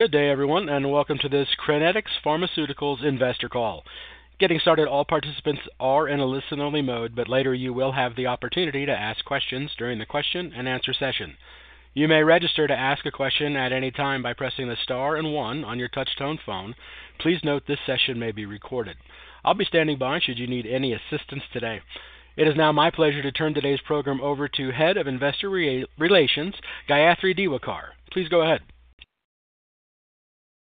Good day, everyone, and welcome to this Crinetics Pharmaceuticals investor call. Getting started, all participants are in a listen-only mode, but later you will have the opportunity to ask questions during the question-and-answer session. You may register to ask a question at any time by pressing the star and one on your touch-tone phone. Please note this session may be recorded. I'll be standing by should you need any assistance today. It is now my pleasure to turn today's program over to Head of Investor Relations, Gayathri Diwakar. Please go ahead.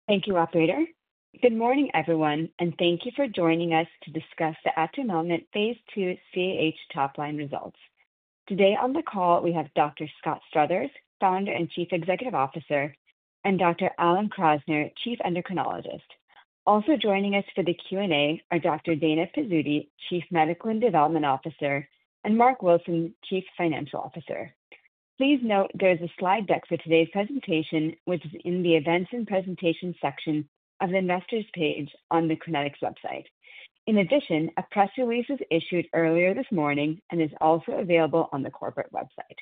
Thank you, Operator. Good morning, everyone, and thank you for joining us to discuss the atumelnant phase II CAH top-line results. Today on the call, we have Dr. Scott Struthers, Founder and Chief Executive Officer, and Dr. Alan Krasner, Chief Endocrinologist. Also joining us for the Q&A are Dr. Dana Pizzuti, Chief Medical and Development Officer, and Marc Wilson, Chief Financial Officer. Please note there is a slide deck for today's presentation, which is in the Events and Presentations section of the Investors page on the Crinetics website. In addition, a press release was issued earlier this morning and is also available on the corporate website.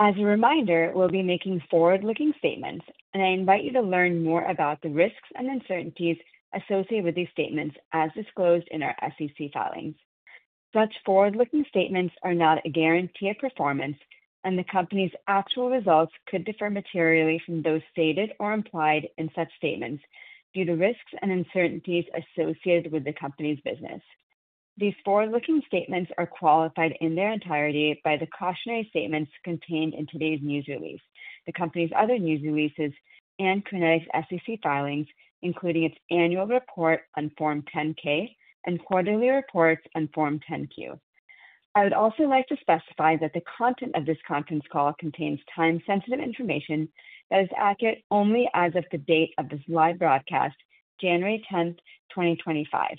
As a reminder, we'll be making forward-looking statements, and I invite you to learn more about the risks and uncertainties associated with these statements as disclosed in our SEC filings. Such forward-looking statements are not a guarantee of performance, and the company's actual results could differ materially from those stated or implied in such statements due to risks and uncertainties associated with the company's business. These forward-looking statements are qualified in their entirety by the cautionary statements contained in today's news release, the company's other news releases, and Crinetics' SEC filings, including its annual report on Form 10-K and quarterly reports on Form 10-Q. I would also like to specify that the content of this conference call contains time-sensitive information that is accurate only as of the date of this live broadcast, January 10th, 2025.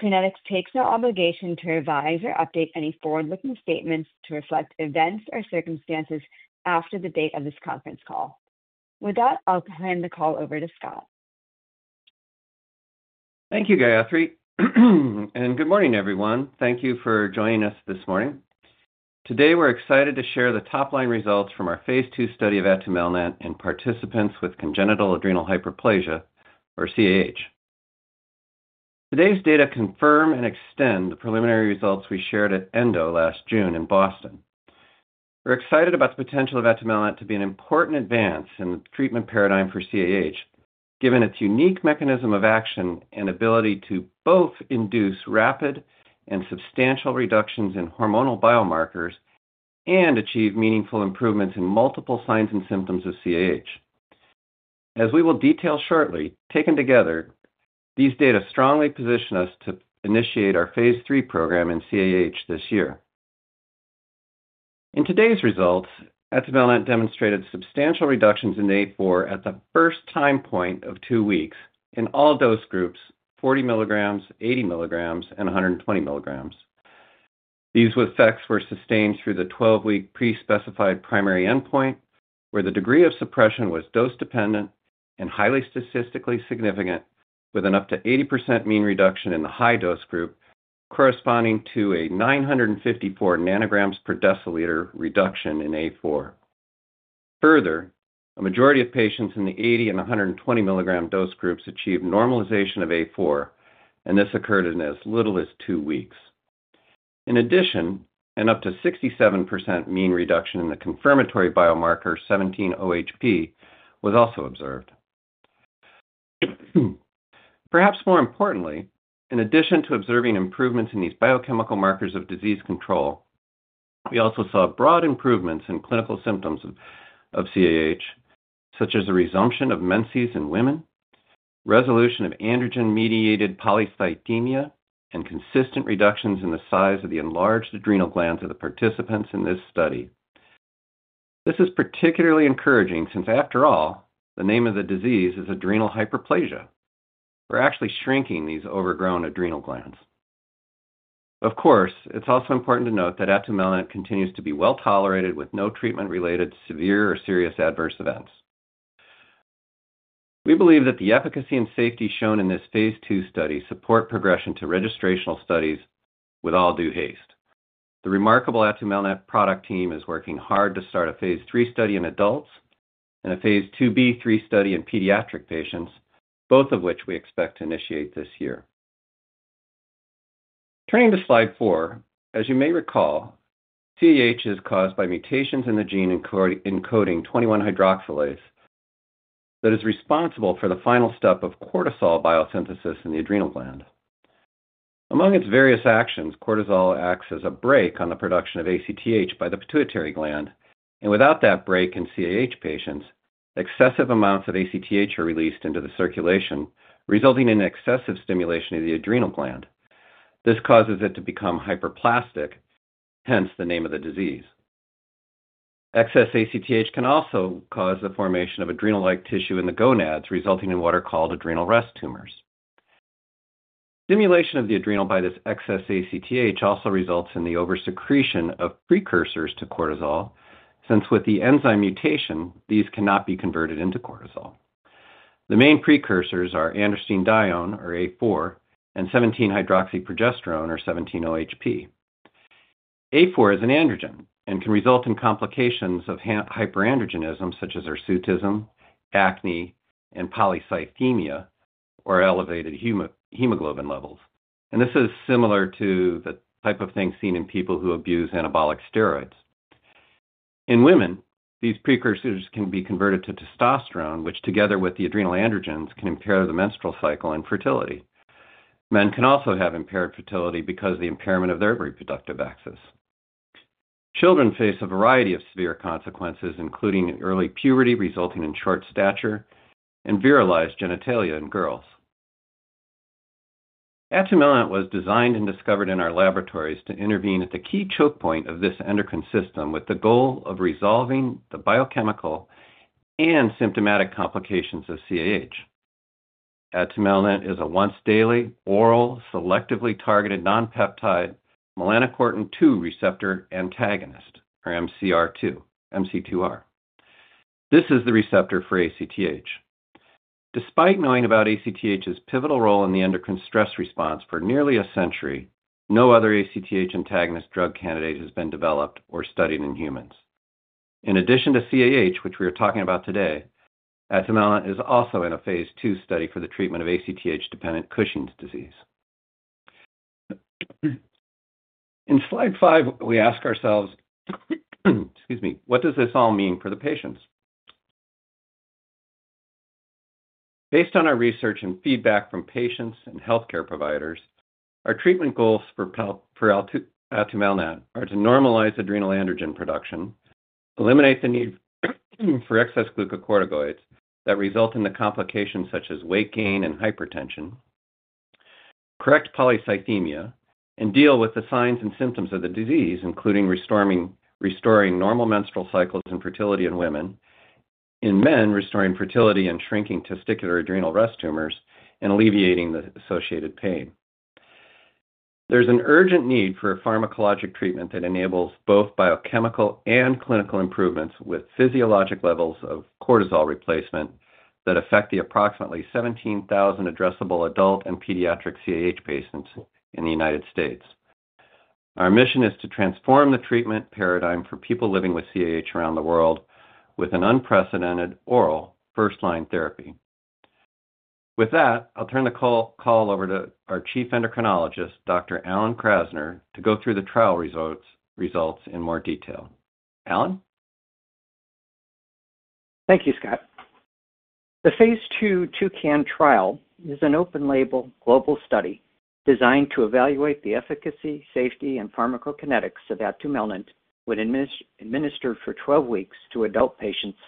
Crinetics takes no obligation to revise or update any forward-looking statements to reflect events or circumstances after the date of this conference call. With that, I'll hand the call over to Scott. Thank you, Gayathri. And good morning, everyone. Thank you for joining us this morning. Today, we're excited to share the top-line results from our phase II study of atumelnant in participants with congenital adrenal hyperplasia, or CAH. Today's data confirm and extend the preliminary results we shared at Endo last June in Boston. We're excited about the potential of atumelnant to be an important advance in the treatment paradigm for CAH, given its unique mechanism of action and ability to both induce rapid and substantial reductions in hormonal biomarkers and achieve meaningful improvements in multiple signs and symptoms of CAH. As we will detail shortly, taken together, these data strongly position us to initiate our phase III program in CAH this year. In today's results, atumelnant demonstrated substantial reductions in day four at the first time point of two weeks in all dose groups, 40 mg, 80 mg, and 120 mg. These effects were sustained through the 12-week pre-specified primary endpoint, where the degree of suppression was dose-dependent and highly statistically significant, with an up to 80% mean reduction in the high dose group, corresponding to a 954 ng/dL reduction in day four. Further, a majority of patients in the 80 and 120 mg dose groups achieved normalization of day four, and this occurred in as little as two weeks. In addition, an up to 67% mean reduction in the confirmatory biomarker, 17-OHP, was also observed. Perhaps more importantly, in addition to observing improvements in these biochemical markers of disease control, we also saw broad improvements in clinical symptoms of CAH, such as a resumption of menses in women, resolution of androgen-mediated polycythemia, and consistent reductions in the size of the enlarged adrenal glands of the participants in this study. This is particularly encouraging since, after all, the name of the disease is adrenal hyperplasia. We're actually shrinking these overgrown adrenal glands. Of course, it's also important to note that atumelnant continues to be well tolerated with no treatment-related severe or serious adverse events. We believe that the efficacy and safety shown in this phase II study support progression to registrational studies with all due haste. The remarkable atumelnant product team is working hard to start a phase III study in adults and a phase IIb study in pediatric patients, both of which we expect to initiate this year. Turning to slide four, as you may recall, CAH is caused by mutations in the gene encoding 21-hydroxylase that is responsible for the final step of cortisol biosynthesis in the adrenal gland. Among its various actions, cortisol acts as a brake on the production of ACTH by the pituitary gland, and without that brake in CAH patients, excessive amounts of ACTH are released into the circulation, resulting in excessive stimulation of the adrenal gland. This causes it to become hyperplastic, hence the name of the disease. Excess ACTH can also cause the formation of adrenal-like tissue in the gonads, resulting in what are called adrenal rest tumors. Stimulation of the adrenal by this excess ACTH also results in the oversecretion of precursors to cortisol, since with the enzyme mutation, these cannot be converted into cortisol. The main precursors are androstenedione, or A4, and 17-hydroxyprogesterone, or 17-OHP. A4 is an androgen and can result in complications of hyperandrogenism, such as hirsutism, acne, and polycythemia, or elevated hemoglobin levels. And this is similar to the type of thing seen in people who abuse anabolic steroids. In women, these precursors can be converted to testosterone, which, together with the adrenal androgens, can impair the menstrual cycle and fertility. Men can also have impaired fertility because of the impairment of their reproductive axis. Children face a variety of severe consequences, including early puberty resulting in short stature and virilized genitalia in girls. Atumelnant was designed and discovered in our laboratories to intervene at the key choke point of this endocrine system with the goal of resolving the biochemical and symptomatic complications of CAH. Atumelnant is a once-daily, oral, selectively targeted non-peptide melanocortin-2 receptor antagonist, or MC2R. This is the receptor for ACTH. Despite knowing about ACTH's pivotal role in the endocrine stress response for nearly a century, no other ACTH antagonist drug candidate has been developed or studied in humans. In addition to CAH, which we are talking about today, atumelnant is also in a phase II study for the treatment of ACTH-dependent Cushing's disease. In slide five, we ask ourselves, excuse me, what does this all mean for the patients? Based on our research and feedback from patients and healthcare providers, our treatment goals for atumelnant are to normalize adrenal androgen production, eliminate the need for excess glucocorticoids that result in the complications such as weight gain and hypertension, correct polycythemia, and deal with the signs and symptoms of the disease, including restoring normal menstrual cycles and fertility in women, in men restoring fertility and shrinking testicular adrenal rest tumors, and alleviating the associated pain. There's an urgent need for a pharmacologic treatment that enables both biochemical and clinical improvements with physiologic levels of cortisol replacement that affect the approximately 17,000 addressable adult and pediatric CAH patients in the United States. Our mission is to transform the treatment paradigm for people living with CAH around the world with an unprecedented oral first-line therapy. With that, I'll turn the call over to our Chief Endocrinologist, Dr. Alan Krasner, to go through the trial results in more detail. Alan? Thank you, Scott. The phase II TOUCAN trial is an open-label global study designed to evaluate the efficacy, safety, and pharmacokinetics of atumelnant when administered for 12 weeks to adult patients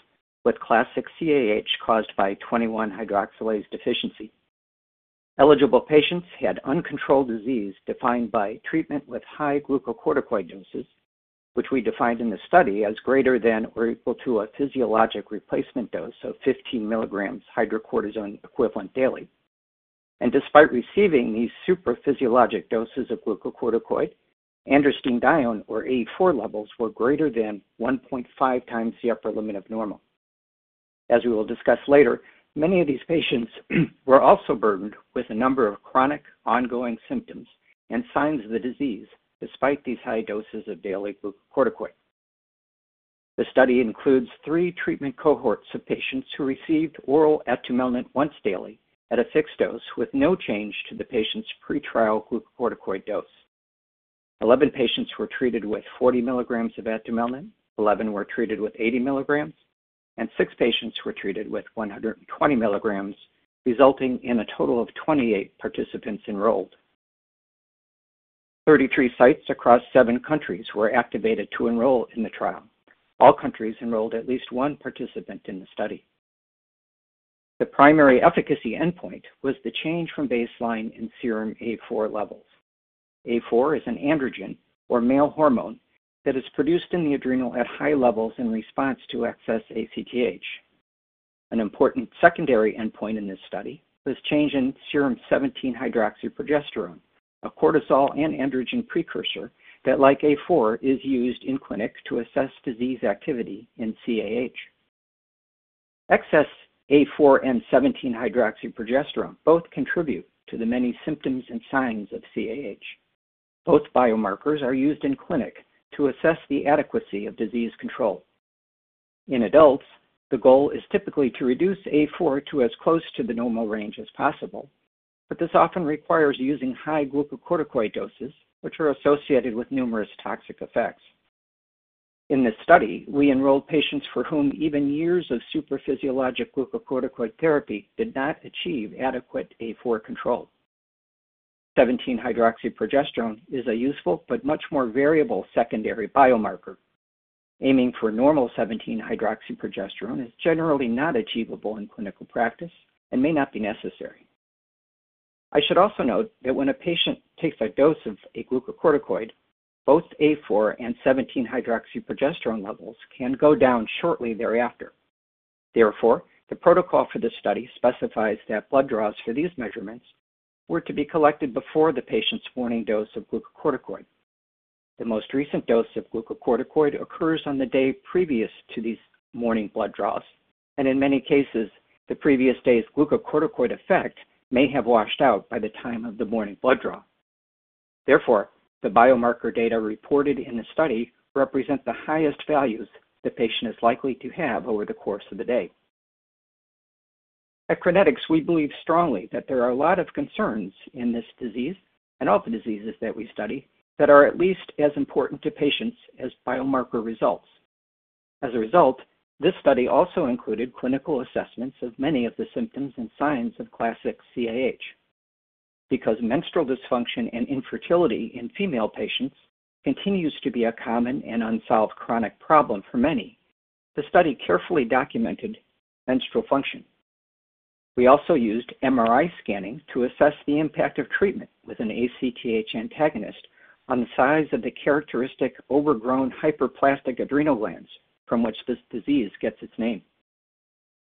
with classic CAH caused by 21-hydroxylase deficiency. Eligible patients had uncontrolled disease defined by treatment with high glucocorticoid doses, which we defined in the study as greater than or equal to a physiologic replacement dose of 15 mg hydrocortisone equivalent daily, and despite receiving these super physiologic doses of glucocorticoid, androstenedione or A4 levels were greater than 1.5x the upper limit of normal. As we will discuss later, many of these patients were also burdened with a number of chronic ongoing symptoms and signs of the disease despite these high doses of daily glucocorticoid. The study includes three treatment cohorts of patients who received oral atumelnant once daily at a fixed dose with no change to the patient's pretrial glucocorticoid dose. 11 patients were treated with 40 mg of atumelnant, 11 were treated with 80 mg, and 6 patients were treated with 120 mg, resulting in a total of 28 participants enrolled. 33 sites across seven countries were activated to enroll in the trial. All countries enrolled at least one participant in the study. The primary efficacy endpoint was the change from baseline in serum A4 levels. A4 is an androgen, or male hormone, that is produced in the adrenal at high levels in response to excess ACTH. An important secondary endpoint in this study was change in serum 17-hydroxyprogesterone, a cortisol and androgen precursor that, like A4, is used in clinic to assess disease activity in CAH. Excess A4 and 17-hydroxyprogesterone both contribute to the many symptoms and signs of CAH. Both biomarkers are used in clinic to assess the adequacy of disease control. In adults, the goal is typically to reduce A4 to as close to the normal range as possible, but this often requires using high glucocorticoid doses, which are associated with numerous toxic effects. In this study, we enrolled patients for whom even years of super physiologic glucocorticoid therapy did not achieve adequate A4 control. 17-hydroxyprogesterone is a useful but much more variable secondary biomarker. Aiming for normal 17-hydroxyprogesterone is generally not achievable in clinical practice and may not be necessary. I should also note that when a patient takes a dose of a glucocorticoid, both A4 and 17-hydroxyprogesterone levels can go down shortly thereafter. Therefore, the protocol for this study specifies that blood draws for these measurements were to be collected before the patient's morning dose of glucocorticoid. The most recent dose of glucocorticoid occurs on the day previous to these morning blood draws, and in many cases, the previous day's glucocorticoid effect may have washed out by the time of the morning blood draw. Therefore, the biomarker data reported in the study represent the highest values the patient is likely to have over the course of the day. At Crinetics, we believe strongly that there are a lot of concerns in this disease and all the diseases that we study that are at least as important to patients as biomarker results. As a result, this study also included clinical assessments of many of the symptoms and signs of classic CAH. Because menstrual dysfunction and infertility in female patients continues to be a common and unsolved chronic problem for many, the study carefully documented menstrual function. We also used MRI scanning to assess the impact of treatment with an ACTH antagonist on the size of the characteristic overgrown hyperplastic adrenal glands from which this disease gets its name.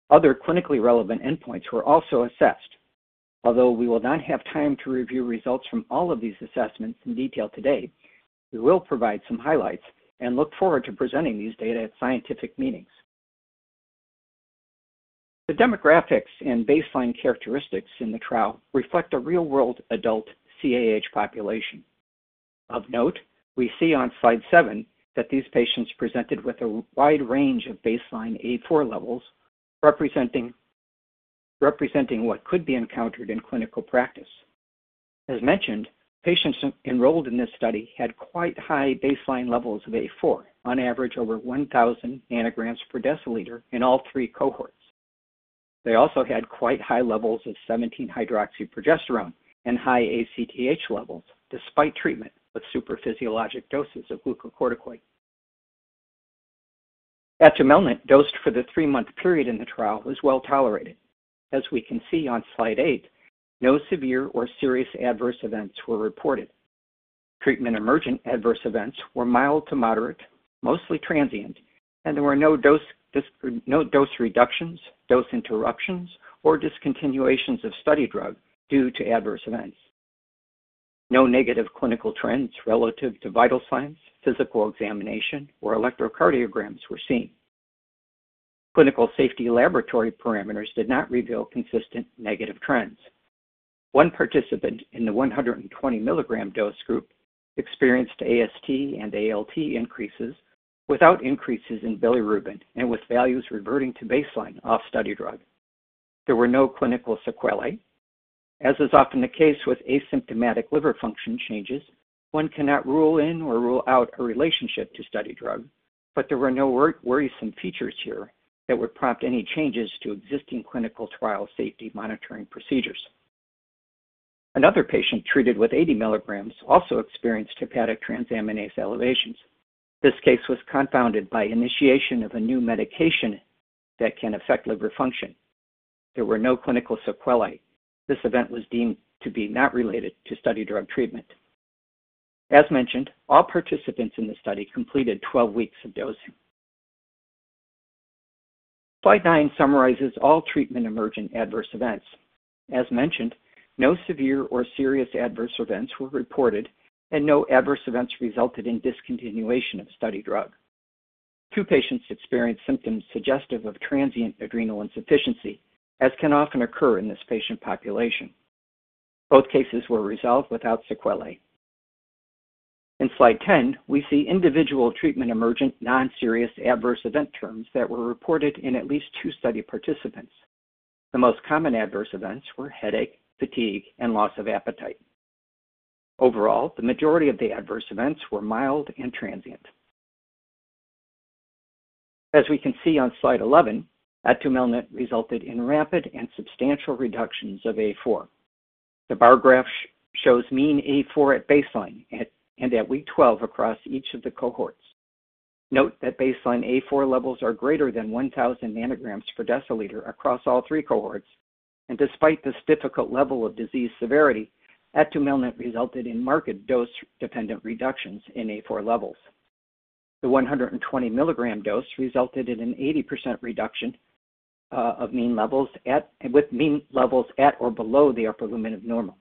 Other clinically relevant endpoints were also assessed. Although we will not have time to review results from all of these assessments in detail today, we will provide some highlights and look forward to presenting these data at scientific meetings. The demographics and baseline characteristics in the trial reflect a real-world adult CAH population. Of note, we see on slide seven that these patients presented with a wide range of baseline A4 levels representing what could be encountered in clinical practice. As mentioned, patients enrolled in this study had quite high baseline levels of A4, on average over 1,000 ng/dL in all three cohorts. They also had quite high levels of 17-hydroxyprogesterone and high ACTH levels despite treatment with super physiologic doses of glucocorticoid. Atumelnant dosed for the three-month period in the trial was well tolerated. As we can see on slide eight, no severe or serious adverse events were reported. Treatment-emergent adverse events were mild to moderate, mostly transient, and there were no dose reductions, dose interruptions, or discontinuations of study drug due to adverse events. No negative clinical trends relative to vital signs, physical examination, or electrocardiograms were seen. Clinical safety laboratory parameters did not reveal consistent negative trends. One participant in the 120 mg dose group experienced AST and ALT increases without increases in bilirubin and with values reverting to baseline off study drug. There were no clinical sequelae. As is often the case with asymptomatic liver function changes, one cannot rule in or rule out a relationship to study drug, but there were no worrisome features here that would prompt any changes to existing clinical trial safety monitoring procedures. Another patient treated with 80 mg also experienced hepatic transaminase elevations. This case was confounded by initiation of a new medication that can affect liver function. There were no clinical sequelae. This event was deemed to be not related to study drug treatment. As mentioned, all participants in the study completed 12 weeks of dosing. Slide nine summarizes all treatment-emergent adverse events. As mentioned, no severe or serious adverse events were reported, and no adverse events resulted in discontinuation of study drug. Two patients experienced symptoms suggestive of transient adrenal insufficiency, as can often occur in this patient population. Both cases were resolved without sequelae. In slide 10, we see individual treatment-emergent non-serious adverse event terms that were reported in at least two study participants. The most common adverse events were headache, fatigue, and loss of appetite. Overall, the majority of the adverse events were mild and transient. As we can see on slide 11, atumelnant resulted in rapid and substantial reductions of A4. The bar graph shows mean A4 at baseline and at week 12 across each of the cohorts. Note that baseline A4 levels are greater than 1,000 ng/dL across all three cohorts, and despite this difficult level of disease severity, atumelnant resulted in marked dose-dependent reductions in A4 levels. The 120 mg dose resulted in an 80% reduction of mean levels with mean levels at or below the upper limit of normal.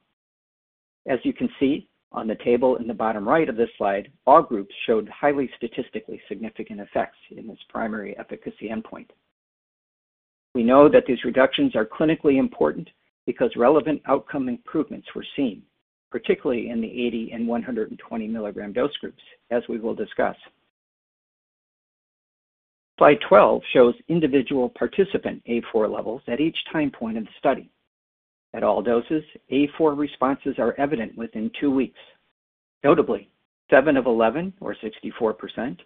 As you can see on the table in the bottom right of this slide, all groups showed highly statistically significant effects in this primary efficacy endpoint. We know that these reductions are clinically important because relevant outcome improvements were seen, particularly in the 80 and 120 mg dose groups, as we will discuss. Slide 12 shows individual participant A4 levels at each time point of the study. At all doses, A4 responses are evident within two weeks. Notably, seven of 11, or 64%,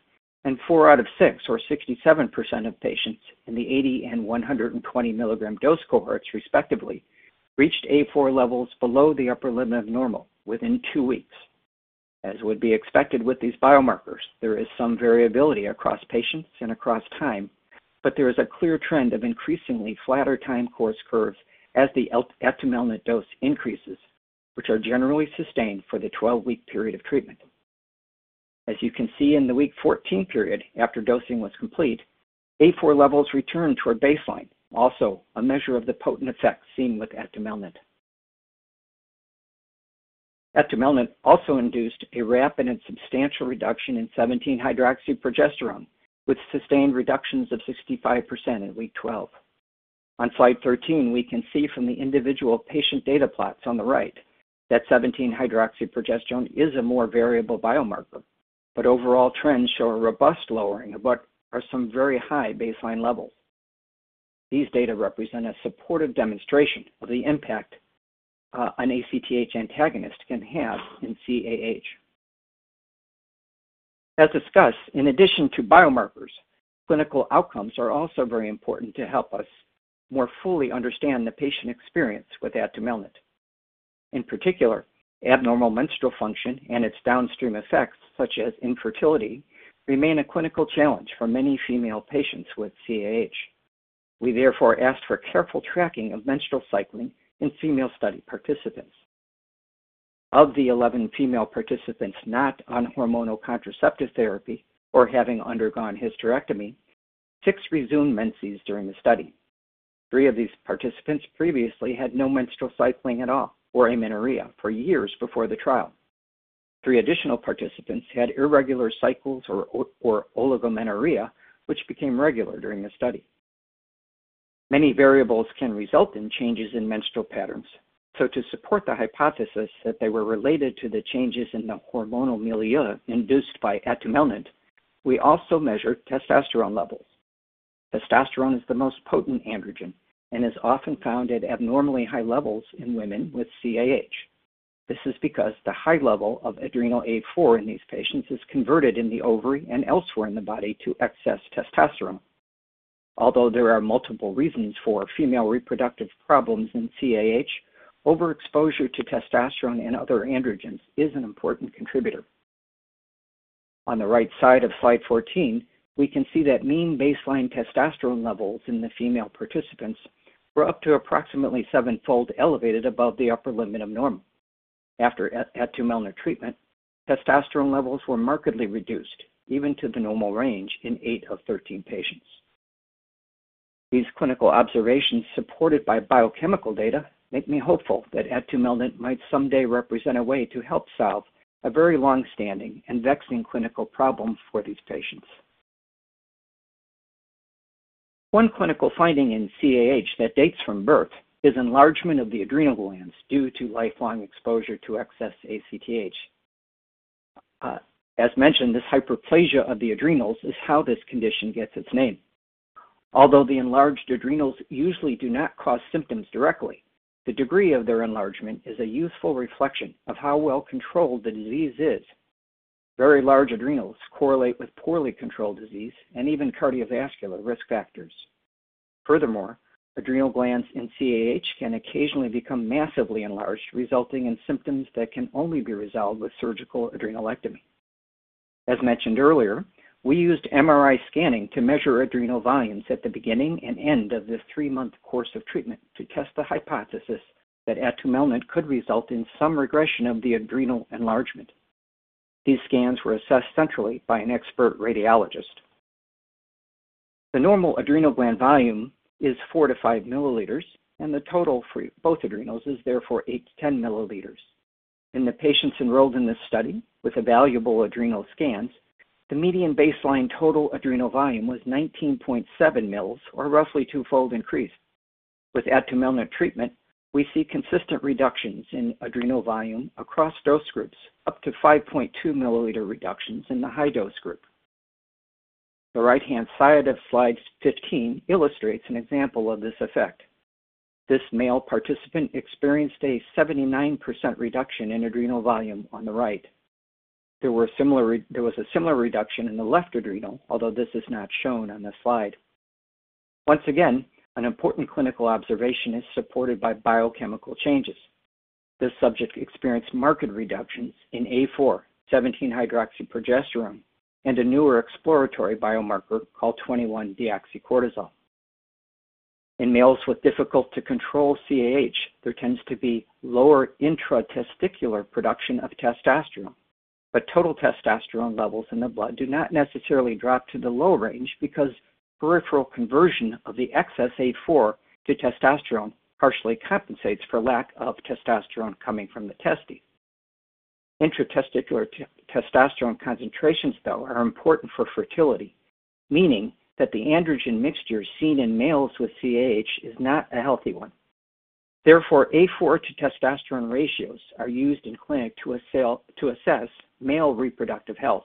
and four out of six, or 67% of patients in the 80 and 120 mg dose cohorts, respectively, reached A4 levels below the upper limit of normal within two weeks. As would be expected with these biomarkers, there is some variability across patients and across time, but there is a clear trend of increasingly flatter time course curves as the atumelnant dose increases, which are generally sustained for the 12-week period of treatment. As you can see in the week 14 period after dosing was complete, A4 levels returned toward baseline, also a measure of the potent effect seen with atumelnant. Atumelnant also induced a rapid and substantial reduction in 17-hydroxyprogesterone, with sustained reductions of 65% in week 12. On slide 13, we can see from the individual patient data plots on the right that 17-hydroxyprogesterone is a more variable biomarker, but overall trends show a robust lowering of what are some very high baseline levels. These data represent a supportive demonstration of the impact an ACTH antagonist can have in CAH. As discussed, in addition to biomarkers, clinical outcomes are also very important to help us more fully understand the patient experience with atumelnant. In particular, abnormal menstrual function and its downstream effects, such as infertility, remain a clinical challenge for many female patients with CAH. We therefore ask for careful tracking of menstrual cycling in female study participants. Of the 11 female participants not on hormonal contraceptive therapy or having undergone hysterectomy, six resumed menses during the study. Three of these participants previously had no menstrual cycling at all or amenorrhea for years before the trial. Three additional participants had irregular cycles or oligomenorrhea, which became regular during the study. Many variables can result in changes in menstrual patterns, so to support the hypothesis that they were related to the changes in the hormonal milieu induced by atumelnant, we also measured testosterone levels. Testosterone is the most potent androgen and is often found at abnormally high levels in women with CAH. This is because the high level of adrenal A4 in these patients is converted in the ovary and elsewhere in the body to excess testosterone. Although there are multiple reasons for female reproductive problems in CAH, overexposure to testosterone and other androgens is an important contributor. On the right side of slide 14, we can see that mean baseline testosterone levels in the female participants were up to approximately seven-fold elevated above the upper limit of normal. After atumelnant treatment, testosterone levels were markedly reduced, even to the normal range in eight of 13 patients. These clinical observations, supported by biochemical data, make me hopeful that atumelnant might someday represent a way to help solve a very long-standing and vexing clinical problem for these patients. One clinical finding in CAH that dates from birth is enlargement of the adrenal glands due to lifelong exposure to excess ACTH. As mentioned, this hyperplasia of the adrenals is how this condition gets its name. Although the enlarged adrenals usually do not cause symptoms directly, the degree of their enlargement is a useful reflection of how well controlled the disease is. Very large adrenals correlate with poorly controlled disease and even cardiovascular risk factors. Furthermore, adrenal glands in CAH can occasionally become massively enlarged, resulting in symptoms that can only be resolved with surgical adrenalectomy. As mentioned earlier, we used MRI scanning to measure adrenal volumes at the beginning and end of the three-month course of treatment to test the hypothesis that atumelnant could result in some regression of the adrenal enlargement. These scans were assessed centrally by an expert radiologist. The normal adrenal gland volume is 4-5 mL, and the total for both adrenals is therefore 8-10 mL. In the patients enrolled in this study with evaluable adrenal scans, the median baseline total adrenal volume was 19.7 mL, or roughly twofold increased. With atumelnant treatment, we see consistent reductions in adrenal volume across dose groups, up to 5.2 milliliter reductions in the high dose group. The right-hand side of slide 15 illustrates an example of this effect. This male participant experienced a 79% reduction in adrenal volume on the right. There was a similar reduction in the left adrenal, although this is not shown on the slide. Once again, an important clinical observation is supported by biochemical changes. This subject experienced marked reductions in A4, 17-hydroxyprogesterone, and a newer exploratory biomarker called 21-deoxycortisol. In males with difficult-to-control CAH, there tends to be lower intratesticular production of testosterone, but total testosterone levels in the blood do not necessarily drop to the low range because peripheral conversion of the excess A4 to testosterone partially compensates for lack of testosterone coming from the testes. Intratesticular testosterone concentrations, though, are important for fertility, meaning that the androgen mixture seen in males with CAH is not a healthy one. Therefore, A4 to testosterone ratios are used in clinic to assess male reproductive health.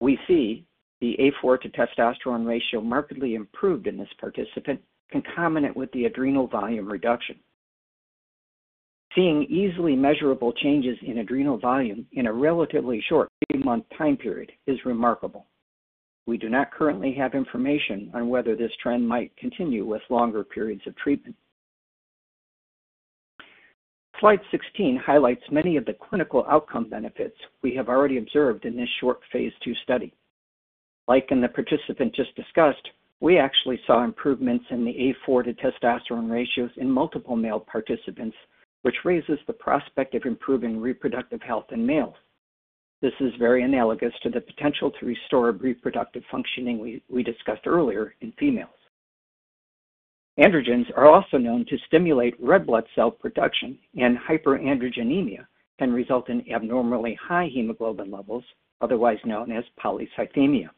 We see the A4 to testosterone ratio markedly improved in this participant, concomitant with the adrenal volume reduction. Seeing easily measurable changes in adrenal volume in a relatively short three-month time period is remarkable. We do not currently have information on whether this trend might continue with longer periods of treatment. Slide 16 highlights many of the clinical outcome benefits we have already observed in this short phase II study. Like in the participant just discussed, we actually saw improvements in the A4 to testosterone ratios in multiple male participants, which raises the prospect of improving reproductive health in males. This is very analogous to the potential to restore reproductive functioning we discussed earlier in females. Androgens are also known to stimulate red blood cell production, and hyperandrogenemia can result in abnormally high hemoglobin levels, otherwise known as polycythemia.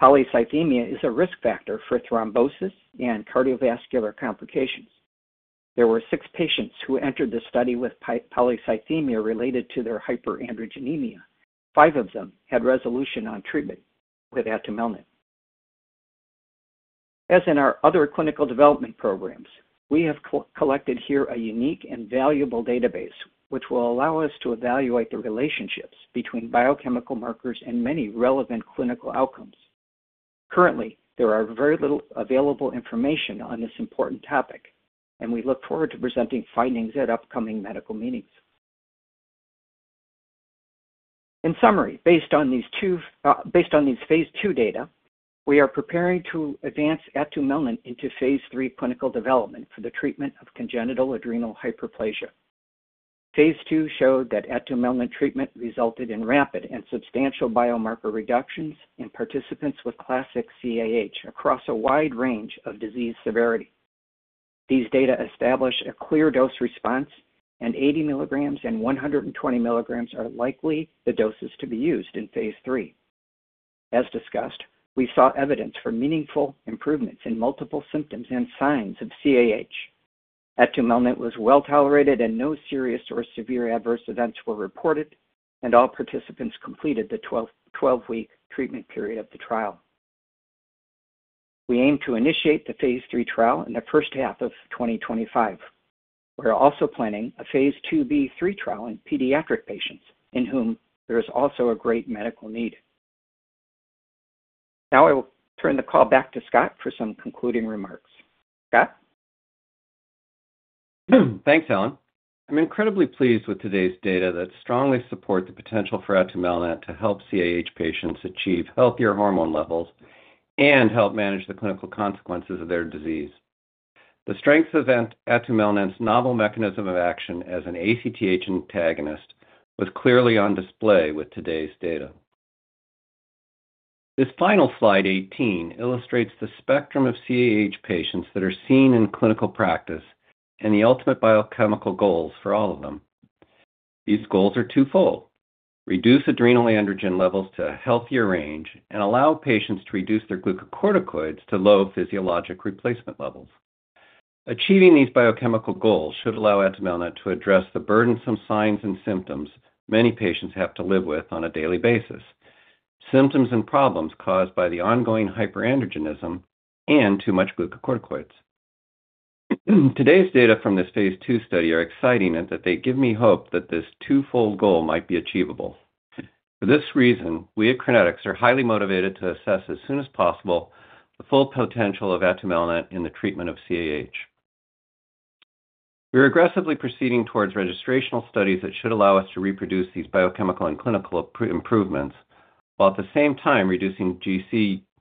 Polycythemia is a risk factor for thrombosis and cardiovascular complications. There were six patients who entered the study with polycythemia related to their hyperandrogenemia. Five of them had resolution on treatment with atumelnant. As in our other clinical development programs, we have collected here a unique and valuable database, which will allow us to evaluate the relationships between biochemical markers and many relevant clinical outcomes. Currently, there is very little available information on this important topic, and we look forward to presenting findings at upcoming medical meetings. In summary, based on these phase II data, we are preparing to advance atumelnant into phase III clinical development for the treatment of congenital adrenal hyperplasia. phase II showed that atumelnant treatment resulted in rapid and substantial biomarker reductions in participants with classic CAH across a wide range of disease severity. These data establish a clear dose response, and 80 mg and 120 mg are likely the doses to be used in phase III. As discussed, we saw evidence for meaningful improvements in multiple symptoms and signs of CAH. Atumelnant was well tolerated, and no serious or severe adverse events were reported, and all participants completed the 12-week treatment period of the trial. We aim to initiate the phase III trial in the first half of 2025. We're also planning a phase IIb/III trial in pediatric patients, in whom there is also a great medical need. Now I will turn the call back to Scott for some concluding remarks. Scott? Thanks, Helen. I'm incredibly pleased with today's data that strongly support the potential for atumelnant to help CAH patients achieve healthier hormone levels and help manage the clinical consequences of their disease. The strengths of atumelnant's novel mechanism of action as an ACTH antagonist was clearly on display with today's data. This final slide 18 illustrates the spectrum of CAH patients that are seen in clinical practice and the ultimate biochemical goals for all of them. These goals are twofold: reduce adrenal androgen levels to a healthier range and allow patients to reduce their glucocorticoids to low physiologic replacement levels. Achieving these biochemical goals should allow atumelnant to address the burdensome signs and symptoms many patients have to live with on a daily basis: symptoms and problems caused by the ongoing hyperandrogenism and too much glucocorticoids. Today's data from this phase II study are exciting in that they give me hope that this twofold goal might be achievable. For this reason, we at Crinetics are highly motivated to assess as soon as possible the full potential of atumelnant in the treatment of CAH. We're aggressively proceeding towards registrational studies that should allow us to reproduce these biochemical and clinical improvements while at the same time reducing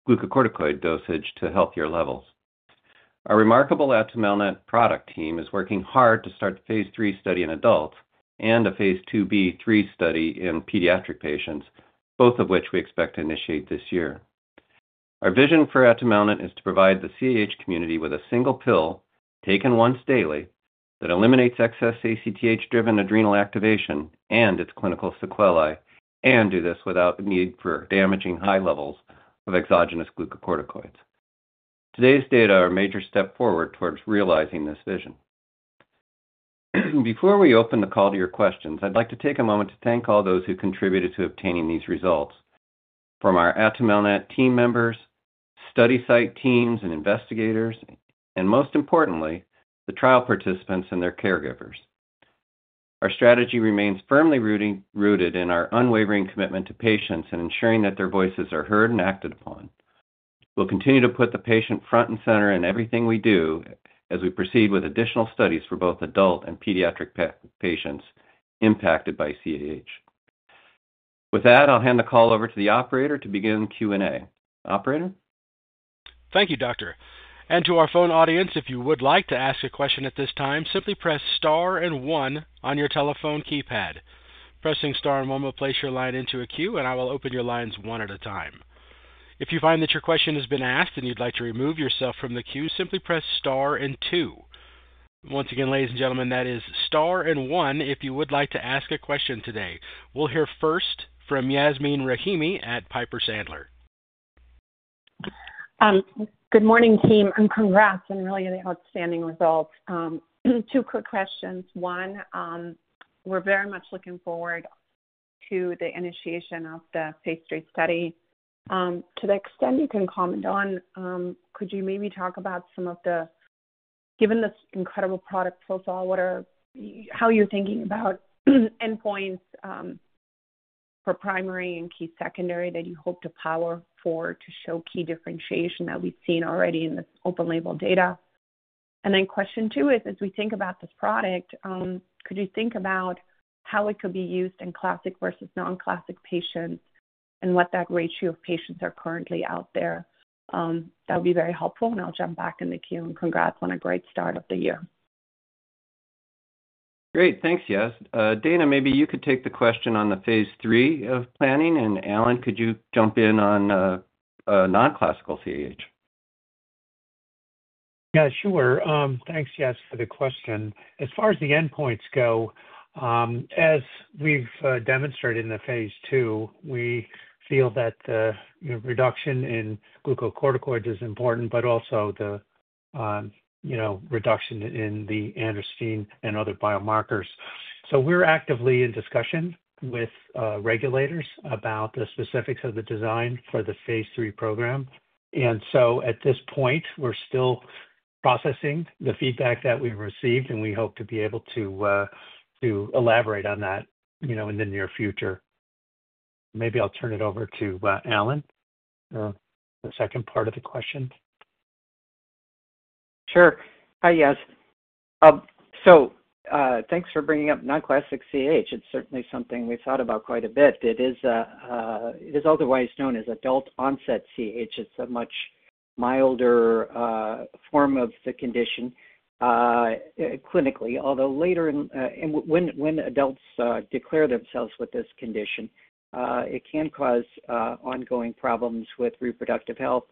glucocorticoid dosage to healthier levels. Our remarkable atumelnant product team is working hard to start the phase III study in adults and a phase II B III study in pediatric patients, both of which we expect to initiate this year. Our vision for atumelnant is to provide the CAH community with a single pill taken once daily that eliminates excess ACTH-driven adrenal activation and its clinical sequelae, and do this without the need for damaging high levels of exogenous glucocorticoids. Today's data are a major step forward towards realizing this vision. Before we open the call to your questions, I'd like to take a moment to thank all those who contributed to obtaining these results: from our atumelnant team members, study site teams and investigators, and most importantly, the trial participants and their caregivers. Our strategy remains firmly rooted in our unwavering commitment to patients and ensuring that their voices are heard and acted upon. We'll continue to put the patient front and center in everything we do as we proceed with additional studies for both adult and pediatric patients impacted by CAH. With that, I'll hand the call over to the operator to begin Q&A. Operator? Thank you, Doctor. And to our phone audience, if you would like to ask a question at this time, simply press star and one on your telephone keypad. Pressing star and one will place your line into a queue, and I will open your lines one at a time. If you find that your question has been asked and you'd like to remove yourself from the queue, simply press star and two. Once again, ladies and gentlemen, that is star and one if you would like to ask a question today. We'll hear first from Yasmeen Rahimi at Piper Sandler. Good morning, team. Congrats on really outstanding results. Two quick questions. One, we're very much looking forward to the initiation of the phase III study. To the extent you can comment on, could you maybe talk about some of the, given this incredible product profile, how you're thinking about endpoints for primary and key secondary that you hope to power forward to show key differentiation that we've seen already in this open-label data? And then question two is, as we think about this product, could you think about how it could be used in classic versus non-classic patients and what that ratio of patients are currently out there? That would be very helpful, and I'll jump back in the queue. And congrats on a great start of the year. Great. Thanks, Yas. Dana, maybe you could take the question on the phase III of planning. And Alan, could you jump in on non-classical CAH? Yeah, sure. Thanks, Yas, for the question. As far as the endpoints go, as we've demonstrated in the phase II, we feel that the reduction in glucocorticoids is important, but also the reduction in the androstenedione and other biomarkers. So we're actively in discussion with regulators about the specifics of the design for the phase III program. And so at this point, we're still processing the feedback that we've received, and we hope to be able to elaborate on that in the near future. Maybe I'll turn it over to Alan for the second part of the question. Sure. Hi, Yas. So thanks for bringing up non-classic CAH. It's certainly something we've thought about quite a bit. It is otherwise known as adult-onset CAH. It's a much milder form of the condition clinically. Although later in, when adults declare themselves with this condition, it can cause ongoing problems with reproductive health,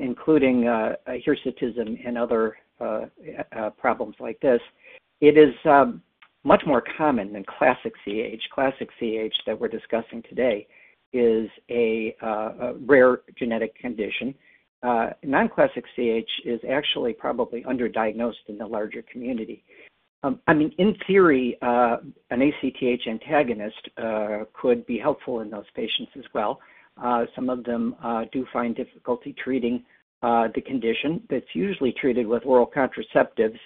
including hirsutism and other problems like this. It is much more common than classic CAH. Classic CAH that we're discussing today is a rare genetic condition. Non-classic CAH is actually probably underdiagnosed in the larger community. I mean, in theory, an ACTH antagonist could be helpful in those patients as well. Some of them do find difficulty treating the condition. It's usually treated with oral contraceptives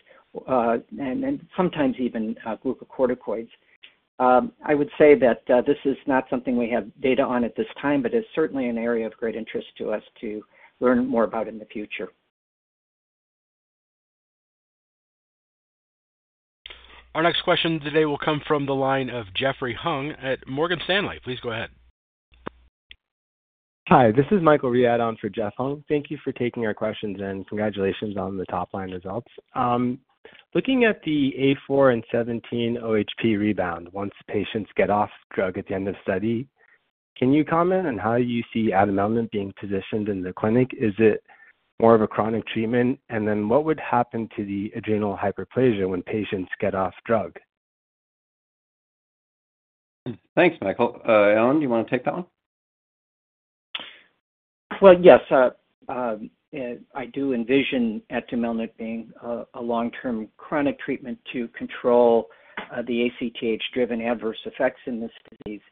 and then sometimes even glucocorticoids. I would say that this is not something we have data on at this time, but it's certainly an area of great interest to us to learn more about in the future. Our next question today will come from the line of Jeffrey Hung at Morgan Stanley. Please go ahead. Hi, this is Michael Riad on for Jeff Hung. Thank you for taking our questions, and congratulations on the top-line results. Looking at the A4 and 17-OHP rebound, once patients get off drug at the end of study, can you comment on how you see atumelnant being positioned in the clinic? Is it more of a chronic treatment? And then what would happen to the adrenal hyperplasia when patients get off drug? Thanks, Michael. Alan, do you want to take that one? Well, yes. I do envision atumelnant being a long-term chronic treatment to control the ACTH-driven adverse effects in this disease,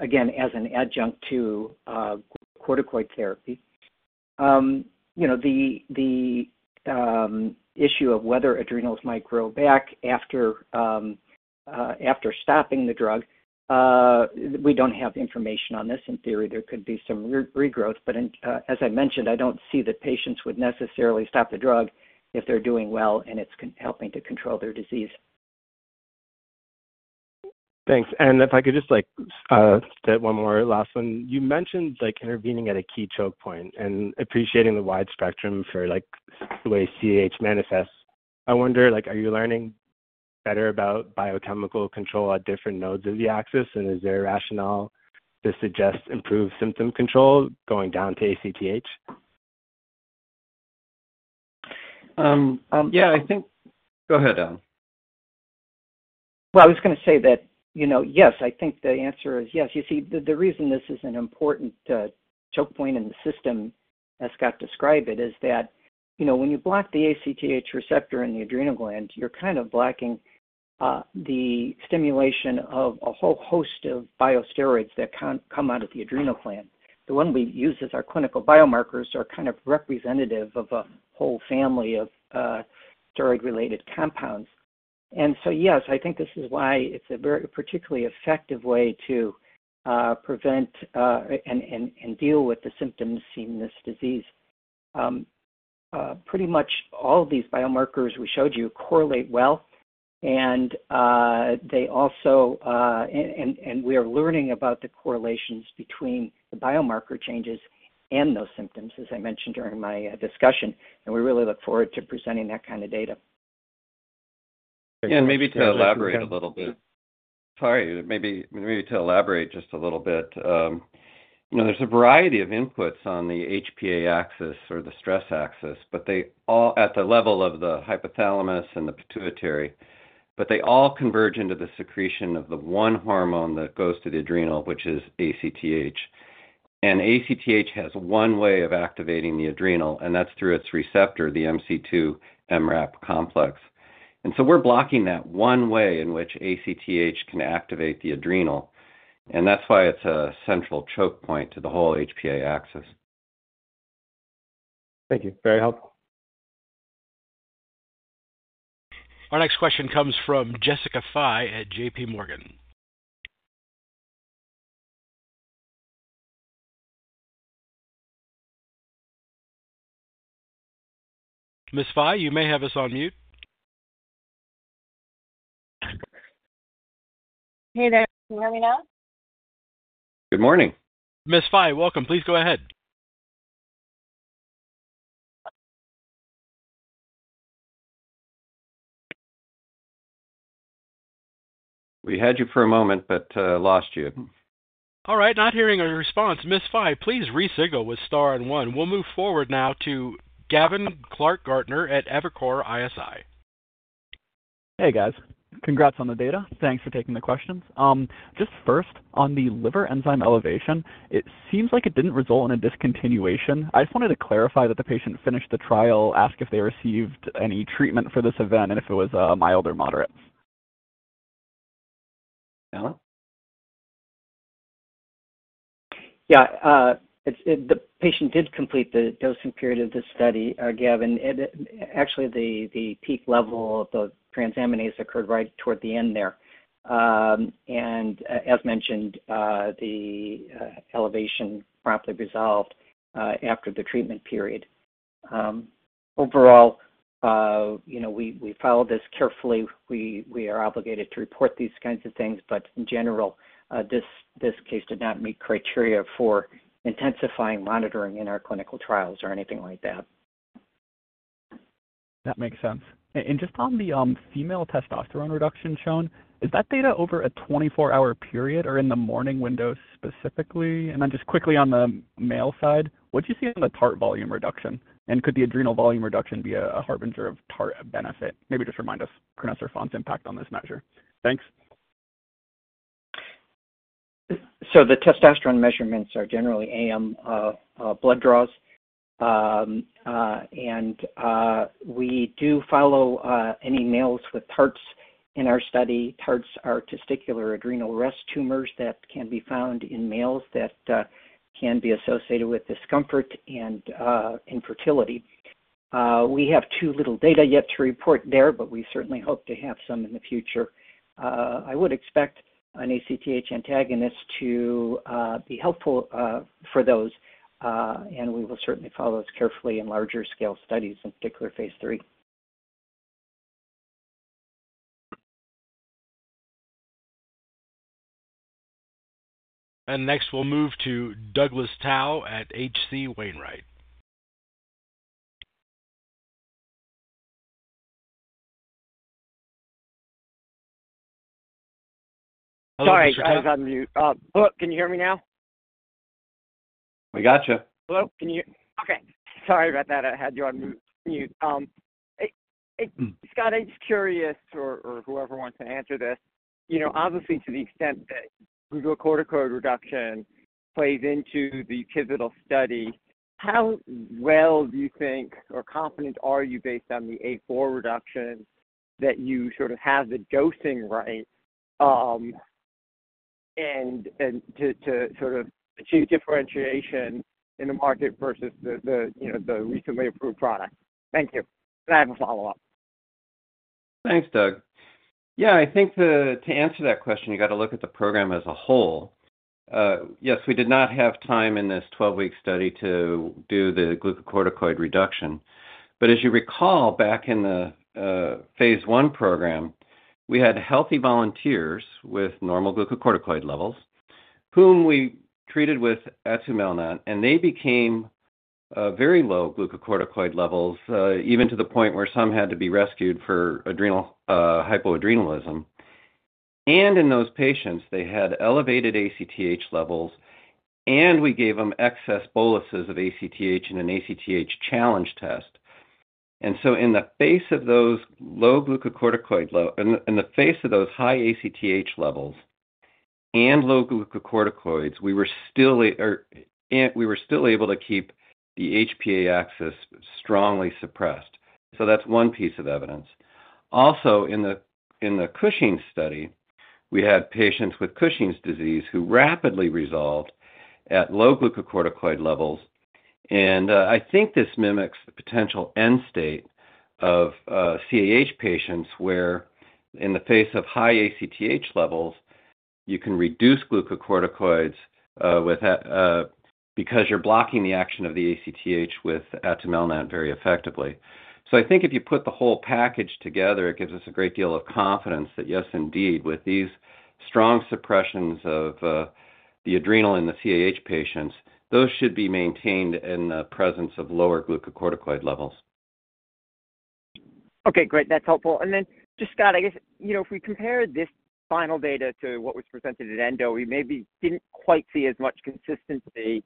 again, as an adjunct to glucocorticoid therapy. The issue of whether adrenals might grow back after stopping the drug, we don't have information on this. In theory, there could be some regrowth. But as I mentioned, I don't see that patients would necessarily stop the drug if they're doing well and it's helping to control their disease. Thanks. And if I could just say one more last one. You mentioned intervening at a key choke point and appreciating the wide spectrum for the way CAH manifests. I wonder, are you learning better about biochemical control at different nodes of the axis? And is there a rationale to suggest improved symptom control going down to ACTH? Yeah, I think. Go ahead, Alan. Well, I was going to say that, yes, I think the answer is yes. You see, the reason this is an important choke point in the system, as Scott described it, is that when you block the ACTH receptor in the adrenal gland, you're kind of blocking the stimulation of a whole host of steroids that come out of the adrenal gland. The one we use as our clinical biomarkers are kind of representative of a whole family of steroid-related compounds. And so, yes, I think this is why it's a particularly effective way to prevent and deal with the symptoms in this disease. Pretty much all of these biomarkers we showed you correlate well, and we are learning about the correlations between the biomarker changes and those symptoms, as I mentioned during my discussion. And we really look forward to presenting that kind of data. Sorry, maybe to elaborate just a little bit. There's a variety of inputs on the HPA axis or the stress axis, but they all at the level of the hypothalamus and the pituitary, but they all converge into the secretion of the one hormone that goes to the adrenal, which is ACTH. And ACTH has one way of activating the adrenal, and that's through its receptor, the MC2-MRAP complex. And so we're blocking that one way in which ACTH can activate the adrenal. And that's why it's a central choke point to the whole HPA axis. Thank you. Very helpful. Our next question comes from Jessica Fye at JPMorgan. Ms. Fye, you may have us on mute. Hey there. Can you hear me now? Good morning. Ms. Fye, welcome. Please go ahead. We had you for a moment, but lost you. All right. Not hearing a response. Ms. Fye, please press star and one. We'll move forward now to Gavin Clark-Gartner at Evercore ISI. Hey, guys. Congrats on the data. Thanks for taking the questions. Just first, on the liver enzyme elevation, it seems like it didn't result in a discontinuation. I just wanted to clarify that the patient finished the trial, asked if they received any treatment for this event, and if it was mild or moderate. Alan? Yeah. The patient did complete the dosing period of this study, Gavin. Actually, the peak level of the transaminase occurred right toward the end there, and as mentioned, the elevation promptly resolved after the treatment period. Overall, we follow this carefully. We are obligated to report these kinds of things, but in general, this case did not meet criteria for intensifying monitoring in our clinical trials or anything like that. That makes sense. Just on the female testosterone reduction shown, is that data over a 24-hour period or in the morning window specifically? Then just quickly on the male side, what do you see in the TART volume reduction? Could the adrenal volume reduction be a harbinger of TART benefit? Maybe just remind us, crinecerfont's impact on this measure. Thanks. The testosterone measurements are generally A.M. blood draws. We do follow any males with TARTs in our study. TARTs are testicular adrenal rest tumors that can be found in males that can be associated with discomfort and infertility. We have too little data yet to report there, but we certainly hope to have some in the future. I would expect an ACTH antagonist to be helpful for those, and we will certainly follow this carefully in larger scale studies, in particular phase III. Next, we'll move to Douglas Tsao at H.C. Wainwright. Hello, Mr. Tsao. Sorry, I was on mute. Hello. Can you hear me now? We got you. Okay. Sorry about that. I had you on mute. Scott, I'm just curious, or whoever wants to answer this, obviously, to the extent that glucocorticoid reduction plays into the pivotal study, how well do you think or confident are you, based on the A4 reduction, that you sort of have the dosing right to sort of achieve differentiation in the market versus the recently approved product? Thank you. And I have a follow-up. Thanks, Doug. Yeah, I think to answer that question, you got to look at the program as a whole. Yes, we did not have time in this 12-week study to do the glucocorticoid reduction. As you recall, back in the phase one program, we had healthy volunteers with normal glucocorticoid levels, whom we treated with atumelnant, and they became very low glucocorticoid levels, even to the point where some had to be rescued for hypoadrenalism. In those patients, they had elevated ACTH levels, and we gave them excess boluses of ACTH and an ACTH challenge test. In the face of those low glucocorticoid levels, in the face of those high ACTH levels and low glucocorticoids, we were still able to keep the HPA axis strongly suppressed. That's one piece of evidence. Also, in the Cushing's study, we had patients with Cushing's disease who rapidly resolved at low glucocorticoid levels. And I think this mimics the potential end state of CAH patients where, in the face of high ACTH levels, you can reduce glucocorticoids because you're blocking the action of the ACTH with atumelnant very effectively. So I think if you put the whole package together, it gives us a great deal of confidence that, yes, indeed, with these strong suppressions of the adrenal in the CAH patients, those should be maintained in the presence of lower glucocorticoid levels. Okay. Great. That's helpful. And then, just Scott, I guess, if we compare this final data to what was presented at Endo, we maybe didn't quite see as much consistency.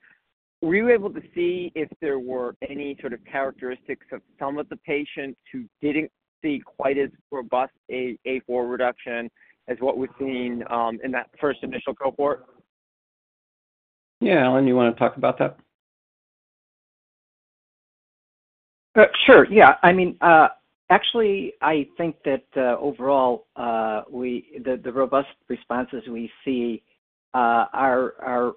Were you able to see if there were any sort of characteristics of some of the patients who didn't see quite as robust A4 reduction as what was seen in that first initial cohort? Yeah. Alan, you want to talk about that? Sure. Yeah. I mean, actually, I think that overall, the robust responses we see are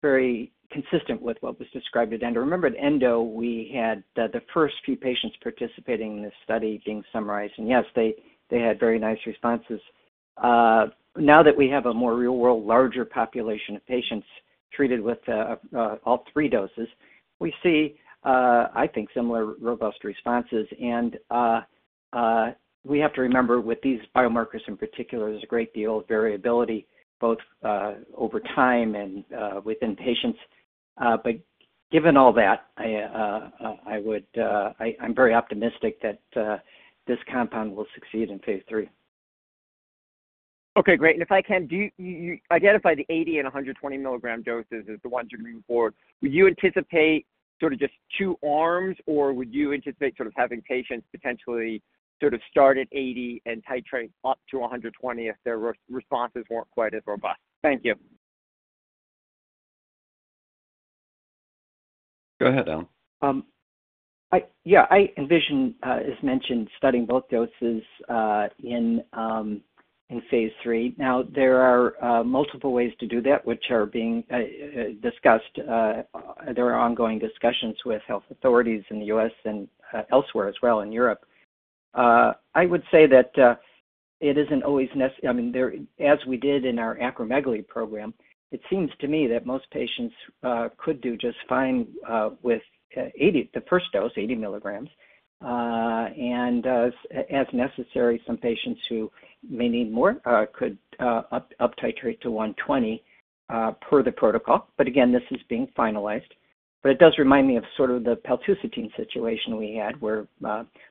very consistent with what was described at Endo. Remember, at Endo, we had the first few patients participating in this study being summarized. And yes, they had very nice responses. Now that we have a more real-world, larger population of patients treated with all three doses, we see, I think, similar robust responses. And we have to remember, with these biomarkers in particular, there's a great deal of variability both over time and within patients. But given all that, I'm very optimistic that this compound will succeed in phase III. Okay. Great. And if I can, do you identify the 80 and 120 mg doses as the ones you're moving forward? Would you anticipate sort of just two arms, or would you anticipate sort of having patients potentially sort of start at 80 and titrate up to 120 if their responses weren't quite as robust? Thank you. Go ahead, Alan. Yeah. I envision, as mentioned, studying both doses in phase III. Now, there are multiple ways to do that, which are being discussed. There are ongoing discussions with health authorities in the U.S. and elsewhere as well in Europe. I would say that it isn't always necessary. I mean, as we did in our acromegaly program, it seems to me that most patients could do just fine with the first dose, 80 mg. And as necessary, some patients who may need more could up-titrate to 120 per the protocol. But again, this is being finalized. But it does remind me of sort of the paltusotine situation we had, where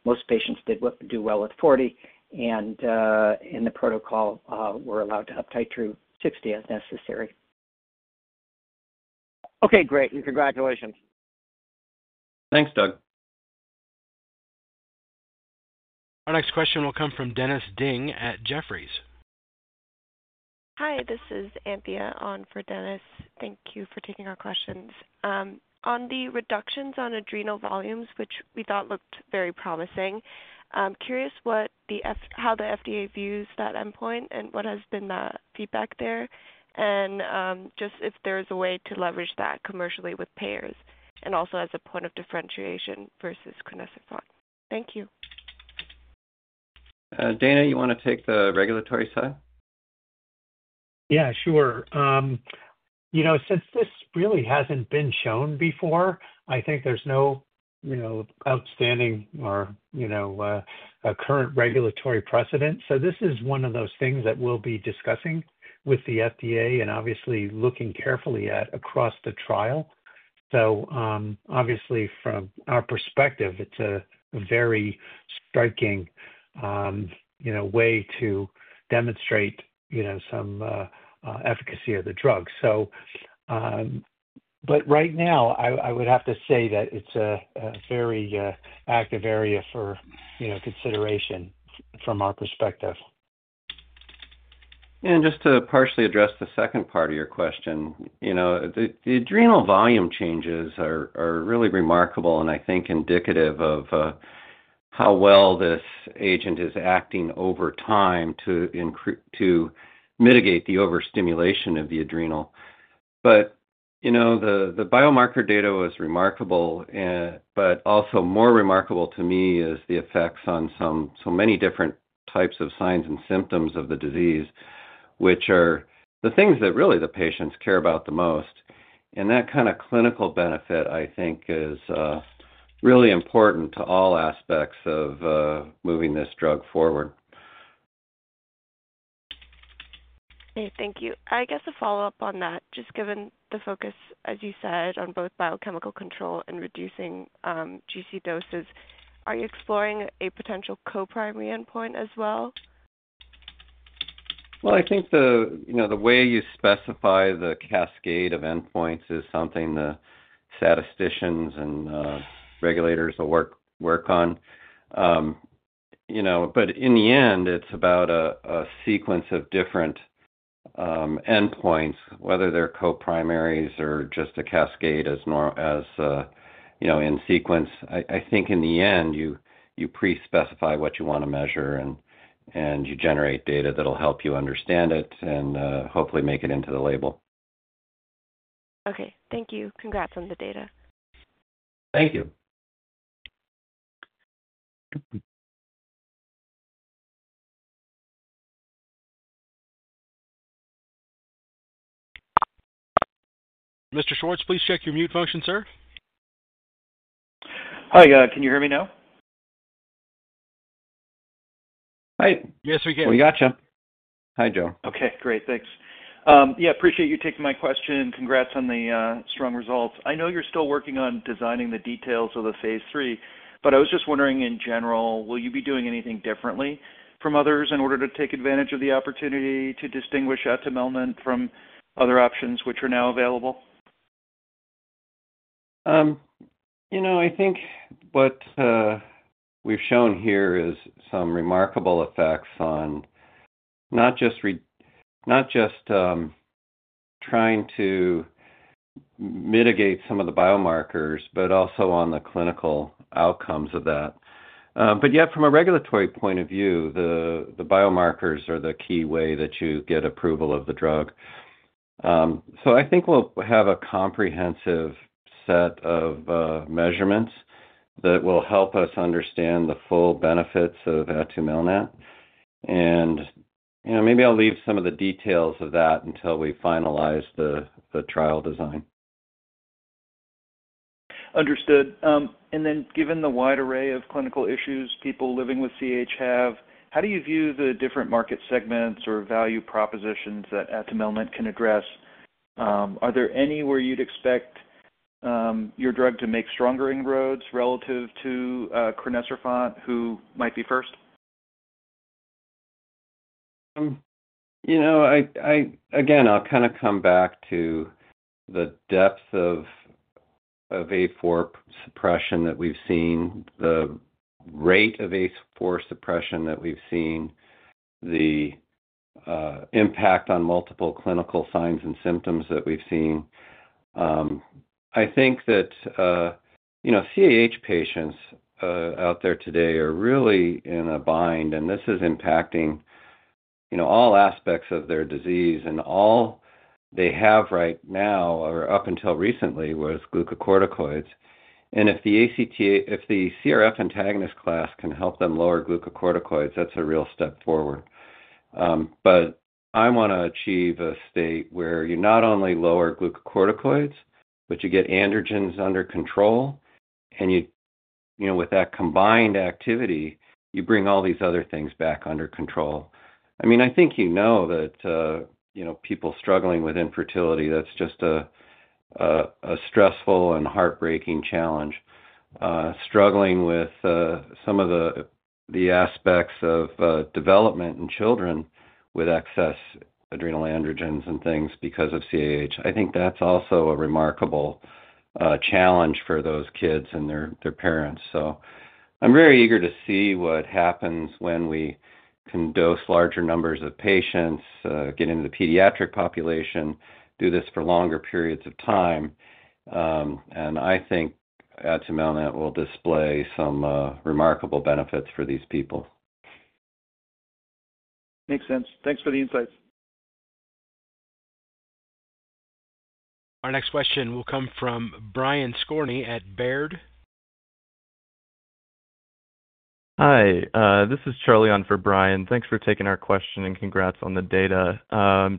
most patients did well with 40, and in the protocol, were allowed to up-titrate to 60 as necessary. Okay. Great. And congratulations. Thanks, Doug. Our next question will come from Dennis Ding at Jefferies. Hi. This is Anthea on for Dennis. Thank you for taking our questions. On the reductions on adrenal volumes, which we thought looked very promising, curious how the FDA views that endpoint and what has been the feedback there, and just if there is a way to leverage that commercially with payers, and also as a point of differentiation versus crinecerfont. Thank you. Dana, you want to take the regulatory side? Yeah, sure. Since this really hasn't been shown before, I think there's no outstanding or current regulatory precedent. So this is one of those things that we'll be discussing with the FDA and obviously looking carefully at across the trial. So obviously, from our perspective, it's a very striking way to demonstrate some efficacy of the drug. But right now, I would have to say that it's a very active area for consideration from our perspective. And just to partially address the second part of your question, the adrenal volume changes are really remarkable and I think indicative of how well this agent is acting over time to mitigate the overstimulation of the adrenal. But the biomarker data was remarkable, but also more remarkable to me is the effects on so many different types of signs and symptoms of the disease, which are the things that really the patients care about the most. And that kind of clinical benefit, I think, is really important to all aspects of moving this drug forward. Thank you. I guess a follow-up on that, just given the focus, as you said, on both biochemical control and reducing GC doses, are you exploring a potential co-primary endpoint as well? Well, I think the way you specify the cascade of endpoints is something the statisticians and regulators will work on. But in the end, it's about a sequence of different endpoints, whether they're co-primary or just a cascade as in sequence. I think in the end, you pre-specify what you want to measure, and you generate data that'll help you understand it and hopefully make it into the label. Okay. Thank you. Congrats on the data. Thank you. Mr. Schwartz, please check your mute function, sir. Hi. Can you hear me now? Hi. Yes, we can. We got you. Hi, Joe. Okay. Great. Thanks. Yeah. Appreciate you taking my question. Congrats on the strong results. I know you're still working on designing the details of the phase III, but I was just wondering, in general, will you be doing anything differently from others in order to take advantage of the opportunity to distinguish atumelnant from other options which are now available? I think what we've shown here is some remarkable effects on not just trying to mitigate some of the biomarkers, but also on the clinical outcomes of that. But yeah, from a regulatory point of view, the biomarkers are the key way that you get approval of the drug. So I think we'll have a comprehensive set of measurements that will help us understand the full benefits of atumelnant. And maybe I'll leave some of the details of that until we finalize the trial design. Understood. And then given the wide array of clinical issues people living with CAH have, how do you view the different market segments or value propositions that atumelnant can address? Are there any where you'd expect your drug to make stronger inroads relative to crinecerfont, who might be first? Again, I'll kind of come back to the depth of A4 suppression that we've seen, the rate of A4 suppression that we've seen, the impact on multiple clinical signs and symptoms that we've seen. I think that CAH patients out there today are really in a bind, and this is impacting all aspects of their disease. And all they have right now, or up until recently, was glucocorticoids. And if the CRF antagonist class can help them lower glucocorticoids, that's a real step forward. But I want to achieve a state where you not only lower glucocorticoids, but you get androgens under control. And with that combined activity, you bring all these other things back under control. I mean, I think you know that people struggling with infertility, that's just a stressful and heartbreaking challenge. Struggling with some of the aspects of development in children with excess adrenal androgens and things because of CAH, I think that's also a remarkable challenge for those kids and their parents. So I'm very eager to see what happens when we can dose larger numbers of patients, get into the pediatric population, do this for longer periods of time. And I think atumelnant will display some remarkable benefits for these people. Makes sense. Thanks for the insights. Our next question will come from Brian Skorney at Baird. Hi. This is Charlie on for Brian. Thanks for taking our question and congrats on the data.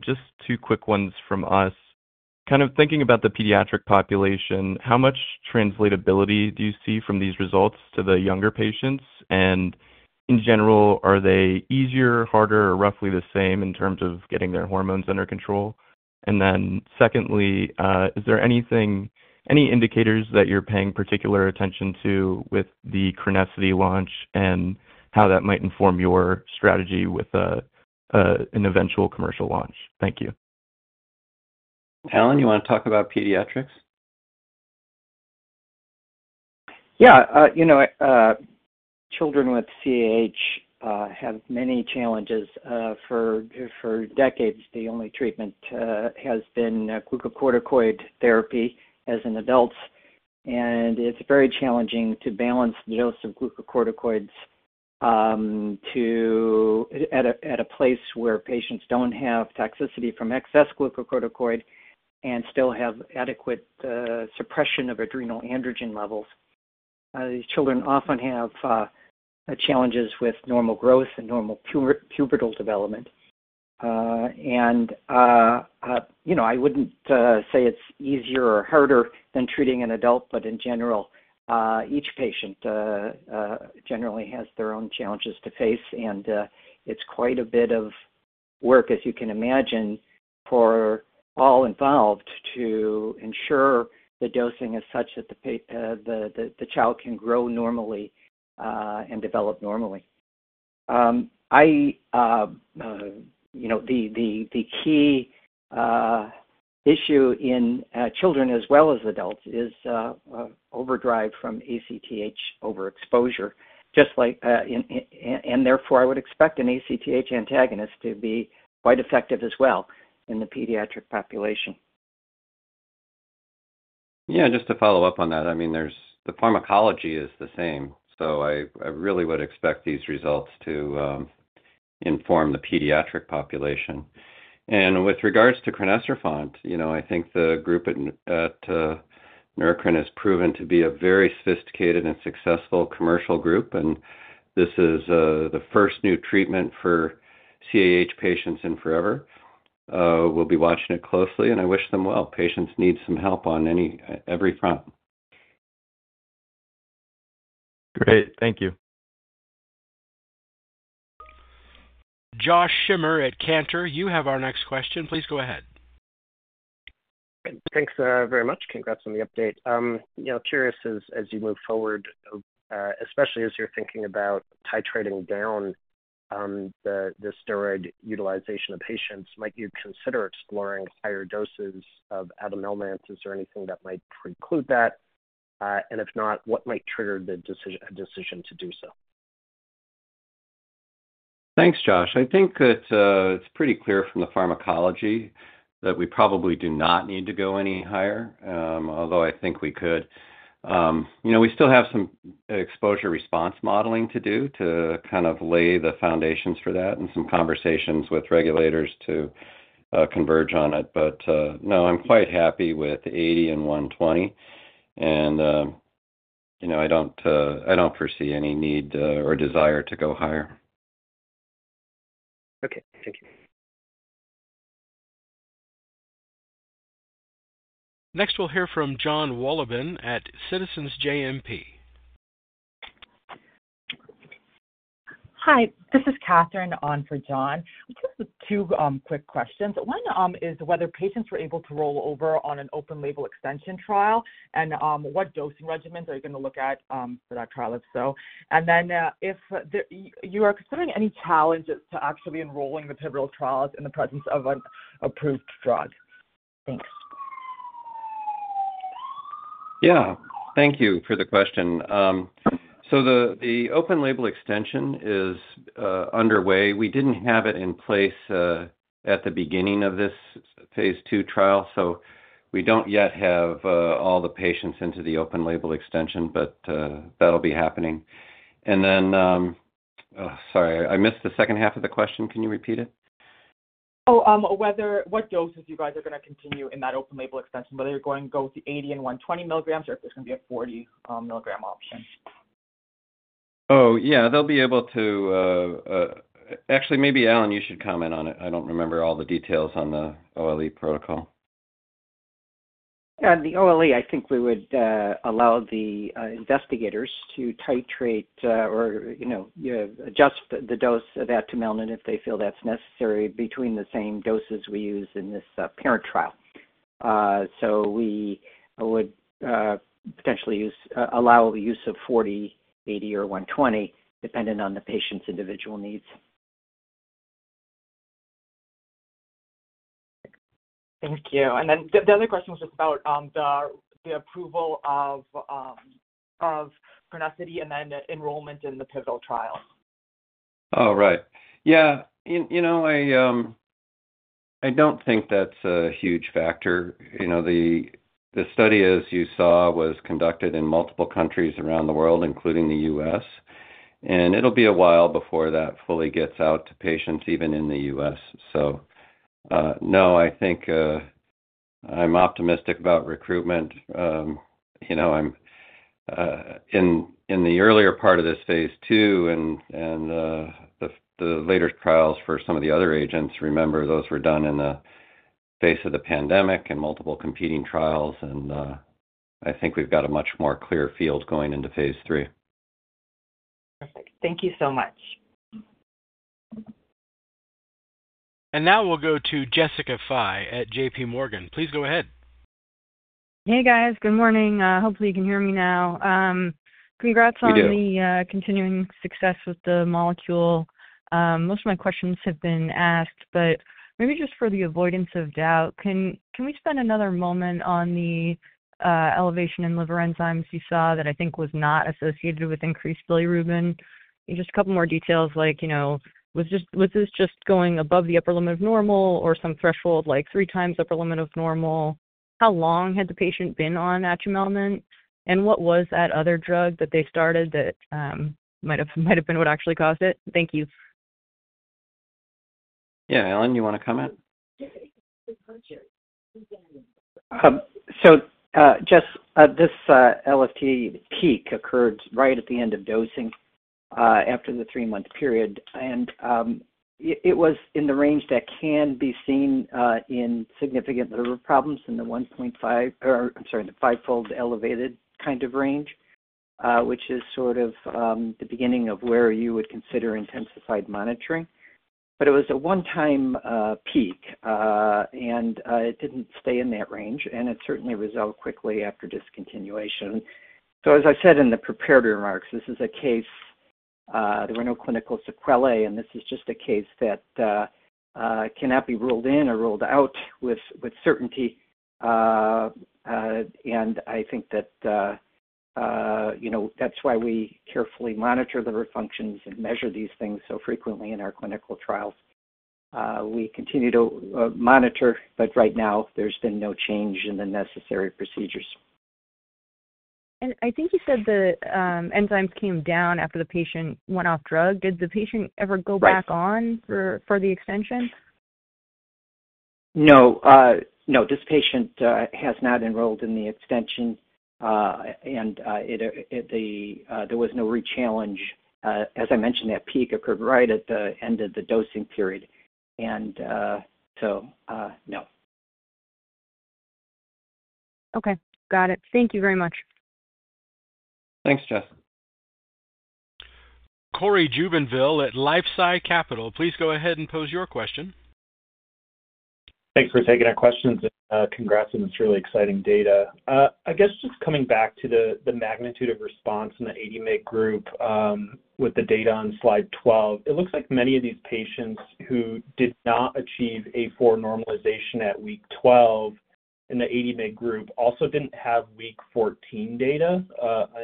Just two quick ones from us. Kind of thinking about the pediatric population, how much translatability do you see from these results to the younger patients? And in general, are they easier, harder, or roughly the same in terms of getting their hormones under control? And then secondly, is there any indicators that you're paying particular attention to with the crinecerfont launch and how that might inform your strategy with an eventual commercial launch? Thank you. Alan, you want to talk about pediatrics? Yeah. Children with CAH have many challenges. For decades, the only treatment has been glucocorticoid therapy as an adult. It is very challenging to balance the dose of glucocorticoids at a place where patients don't have toxicity from excess glucocorticoid and still have adequate suppression of adrenal androgen levels. These children often have challenges with normal growth and normal pubertal development. And I wouldn't say it's easier or harder than treating an adult, but in general, each patient generally has their own challenges to face. And it's quite a bit of work, as you can imagine, for all involved to ensure the dosing is such that the child can grow normally and develop normally. The key issue in children as well as adults is overdrive from ACTH overexposure. And therefore, I would expect an ACTH antagonist to be quite effective as well in the pediatric population. Yeah. Just to follow up on that, I mean, the pharmacology is the same. So I really would expect these results to inform the pediatric population. And with regards to crinecerfont, I think the group at Neurocrine has proven to be a very sophisticated and successful commercial group. And this is the first new treatment for CAH patients in forever. We'll be watching it closely, and I wish them well. Patients need some help on every front. Great. Thank you. Josh Schimmer at Cantor, you have our next question. Please go ahead. Thanks very much. Congrats on the update. Curious, as you move forward, especially as you're thinking about titrating down the steroid utilization of patients, might you consider exploring higher doses of atumelnant? Is there anything that might preclude that? And if not, what might trigger a decision to do so? Thanks, Josh. I think that it's pretty clear from the pharmacology that we probably do not need to go any higher, although I think we could. We still have some exposure response modeling to do to kind of lay the foundations for that and some conversations with regulators to converge on it. But no, I'm quite happy with 80 and 120. And I don't foresee any need or desire to go higher. Okay. Thank you. Next, we'll hear from Jon Wolleben at Citizens JMP. Hi. This is Catherine on for Jon. Just two quick questions. One is whether patients were able to roll over on an open-label extension trial and what dosing regimens are you going to look at for that trial if so. And then if you are considering any challenges to actually enrolling the pivotal trials in the presence of an approved drug. Thanks. Yeah. Thank you for the question. So the open-label extension is underway. We didn't have it in place at the beginning of this phase II trial, so we don't yet have all the patients into the open-label extension, but that'll be happening. And then sorry, I missed the second half of the question. Can you repeat it? Oh, what doses you guys are going to continue in that open-label extension, whether you're going to go with the 80 and 120 mg or if there's going to be a 40 mg option? Oh, yeah. They'll be able to actually, maybe Alan, you should comment on it. I don't remember all the details on the OLE protocol. Yeah. The OLE, I think we would allow the investigators to titrate or adjust the dose of atumelnant if they feel that's necessary between the same doses we use in this parent trial. So we would potentially allow the use of 40, 80, or 120 depending on the patient's individual needs. Thank you. And then the other question was just about the approval of crinecerfont and then enrollment in the pivotal trial. Oh, right. Yeah. I don't think that's a huge factor. The study, as you saw, was conducted in multiple countries around the world, including the U.S., and it'll be a while before that fully gets out to patients even in the U.S., so no, I think I'm optimistic about recruitment. I'm in the earlier part of this phase II and the later trials for some of the other agents. Remember, those were done in the face of the pandemic and multiple competing trials, and I think we've got a much more clear field going into phase III. Perfect. Thank you so much And now we'll go to Jessica Fye at JPMorgan. Please go ahead. Hey, guys. Good morning. Hopefully, you can hear me now. Congrats on the continuing success with the molecule. Most of my questions have been asked, but maybe just for the avoidance of doubt, can we spend another moment on the elevation in liver enzymes you saw that I think was not associated with increased bilirubin? Just a couple more details, like was this just going above the upper limit of normal or some threshold like three times upper limit of normal? How long had the patient been on atumelnant, and what was that other drug that they started that might have been what actually caused it? Thank you. Yeah. Alan, you want to comment? So just this LFT peak occurred right at the end of dosing after the three-month period. It was in the range that can be seen in significant liver problems in the 1.5 or I'm sorry, the five-fold elevated kind of range, which is sort of the beginning of where you would consider intensified monitoring. It was a one-time peak, and it didn't stay in that range. It certainly resolved quickly after discontinuation. As I said in the preparatory remarks, this is a case there were no clinical sequela, and this is just a case that cannot be ruled in or ruled out with certainty. I think that that's why we carefully monitor liver functions and measure these things so frequently in our clinical trials. We continue to monitor, but right now, there's been no change in the necessary procedures. I think you said the enzymes came down after the patient went off drug. Did the patient ever go back on for the extension? No. No. This patient has not enrolled in the extension, and there was no re-challenge. As I mentioned, that peak occurred right at the end of the dosing period. And so no. Okay. Got it. Thank you very much. Thanks, Jess. Cory Jubinville at LifeSci Capital, please go ahead and pose your question. Thanks for taking our questions. Congrats on this really exciting data. I guess just coming back to the magnitude of response in the 80 mg group with the data on slide 12, it looks like many of these patients who did not achieve A4 normalization at week 12 in the 80 mg group also didn't have week 14 data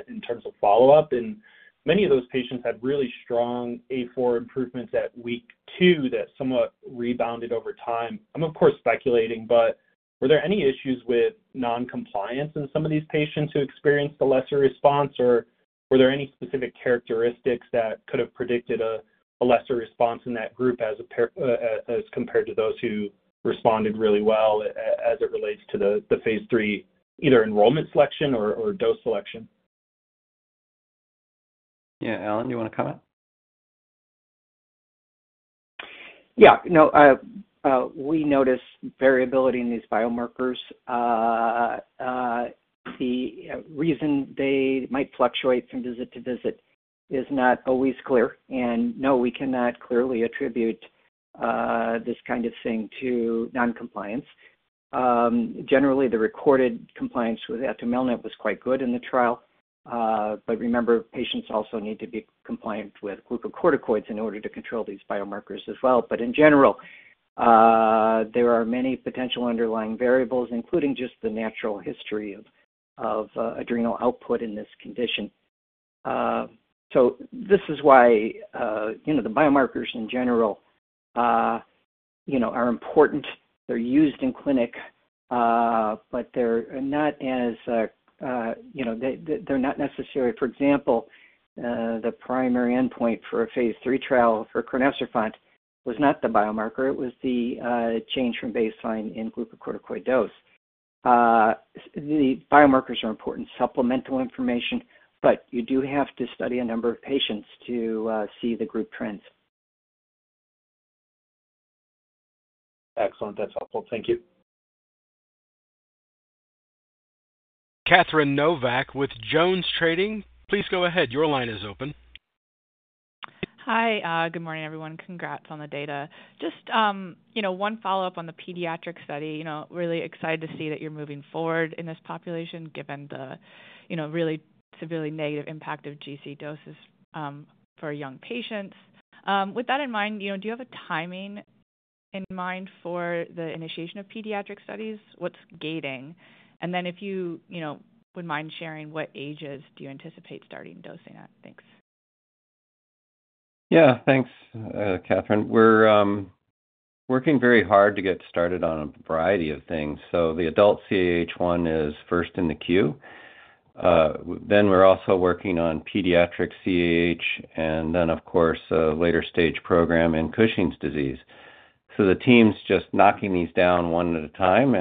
in terms of follow-up. And many of those patients had really strong A4 improvements at week two that somewhat rebounded over time. I'm, of course, speculating, but were there any issues with non-compliance in some of these patients who experienced a lesser response, or were there any specific characteristics that could have predicted a lesser response in that group as compared to those who responded really well as it relates to the phase III either enrollment selection or dose selection? Yeah. Alan, you want to comment? Yeah. No. We noticed variability in these biomarkers. The reason they might fluctuate from visit to visit is not always clear, and no, we cannot clearly attribute this kind of thing to non-compliance. Generally, the recorded compliance with atumelnant was quite good in the trial, but remember, patients also need to be compliant with glucocorticoids in order to control these biomarkers as well, but in general, there are many potential underlying variables, including just the natural history of adrenal output in this condition. So this is why the biomarkers in general are important. They're used in clinic, but they're not as they're not necessary. For example, the primary endpoint for a phase III trial for crinecerfont was not the biomarker. It was the change from baseline in glucocorticoid dose. The biomarkers are important supplemental information, but you do have to study a number of patients to see the group trends. Excellent. That's helpful. Thank you. Catherine Novack with JonesTrading. Please go ahead. Your line is open. Hi. Good morning, everyone. Congrats on the data. Just one follow-up on the pediatric study. Really excited to see that you're moving forward in this population given the really severely negative impact of GC doses for young patients. With that in mind, do you have a timing in mind for the initiation of pediatric studies? What's gating? And then if you would mind sharing, what ages do you anticipate starting dosing at? Thanks. Yeah. Thanks, Catherine. We're working very hard to get started on a variety of things. So the adult CAH is first in the queue. Then we're also working on pediatric CAH, and then, of course, a later-stage program in Cushing's disease. So the team's just knocking these down one at a time.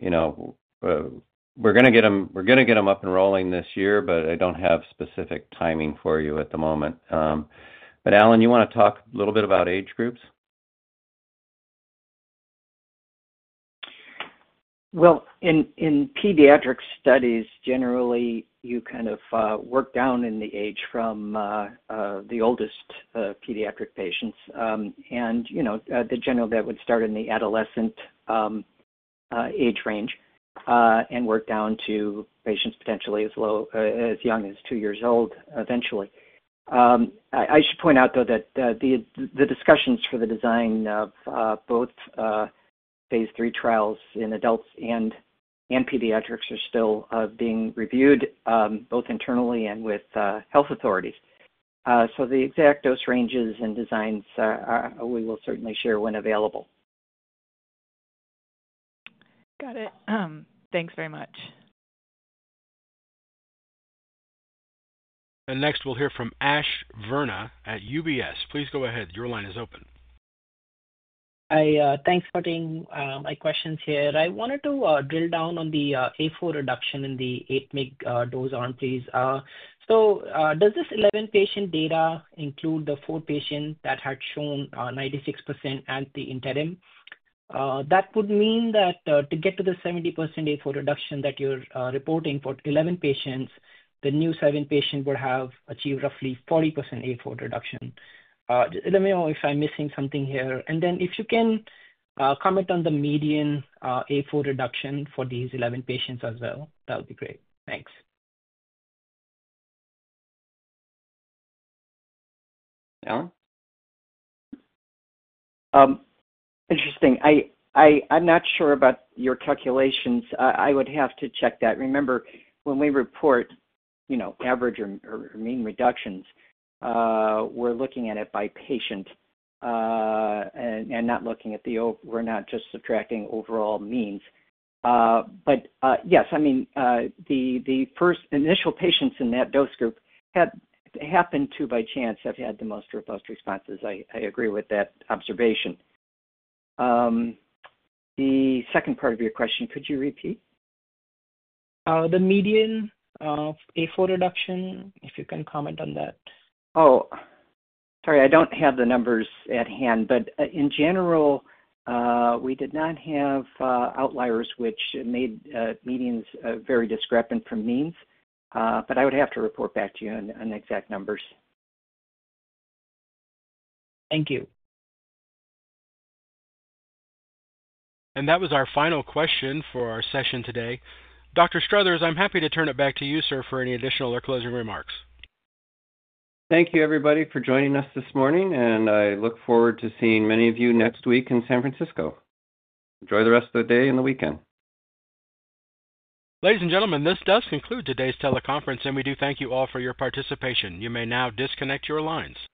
And we're going to get them up and rolling this year, but I don't have specific timing for you at the moment. But Alan, you want to talk a little bit about age groups? Well, in pediatric studies, generally, you kind of work down in the age from the oldest pediatric patients and generally that would start in the adolescent age range and work down to patients potentially as young as two years old eventually. I should point out, though, that the discussions for the design of both phase III trials in adults and pediatrics are still being reviewed both internally and with health authorities. So the exact dose ranges and designs, we will certainly share when available. Got it. Thanks very much. And next, we'll hear from Ash Verma at UBS. Please go ahead. Your line is open. Hi. Thanks for getting my questions here. I wanted to drill down on the A4 reduction in the 80-mg dose arm, please. So does this 11-patient data include the four-patient that had shown 96% at the interim? That would mean that to get to the 70% A4 reduction that you're reporting for 11 patients, the new seven-patient would have achieved roughly 40% A4 reduction. Let me know if I'm missing something here. And then if you can comment on the median A4 reduction for these 11 patients as well, that would be great. Thanks. Alan? Interesting. I'm not sure about your calculations. I would have to check that. Remember, when we report average or mean reductions, we're looking at it by patient and not looking at the we're not just subtracting overall means. But yes, I mean, the first initial patients in that dose group happen to, by chance, have had the most robust responses. I agree with that observation. The second part of your question, could you repeat? The median A4 reduction, if you can comment on that. Oh, sorry. I don't have the numbers at hand. But in general, we did not have outliers, which made medians very discrepant from means. But I would have to report back to you on exact numbers. Thank you. That was our final question for our session today. Dr. Struthers, I'm happy to turn it back to you, sir, for any additional or closing remarks. Thank you, everybody, for joining us this morning. I look forward to seeing many of you next week in San Francisco. Enjoy the rest of the day and the weekend. Ladies and gentlemen, this does conclude today's teleconference, and we do thank you all for your participation. You may now disconnect your lines.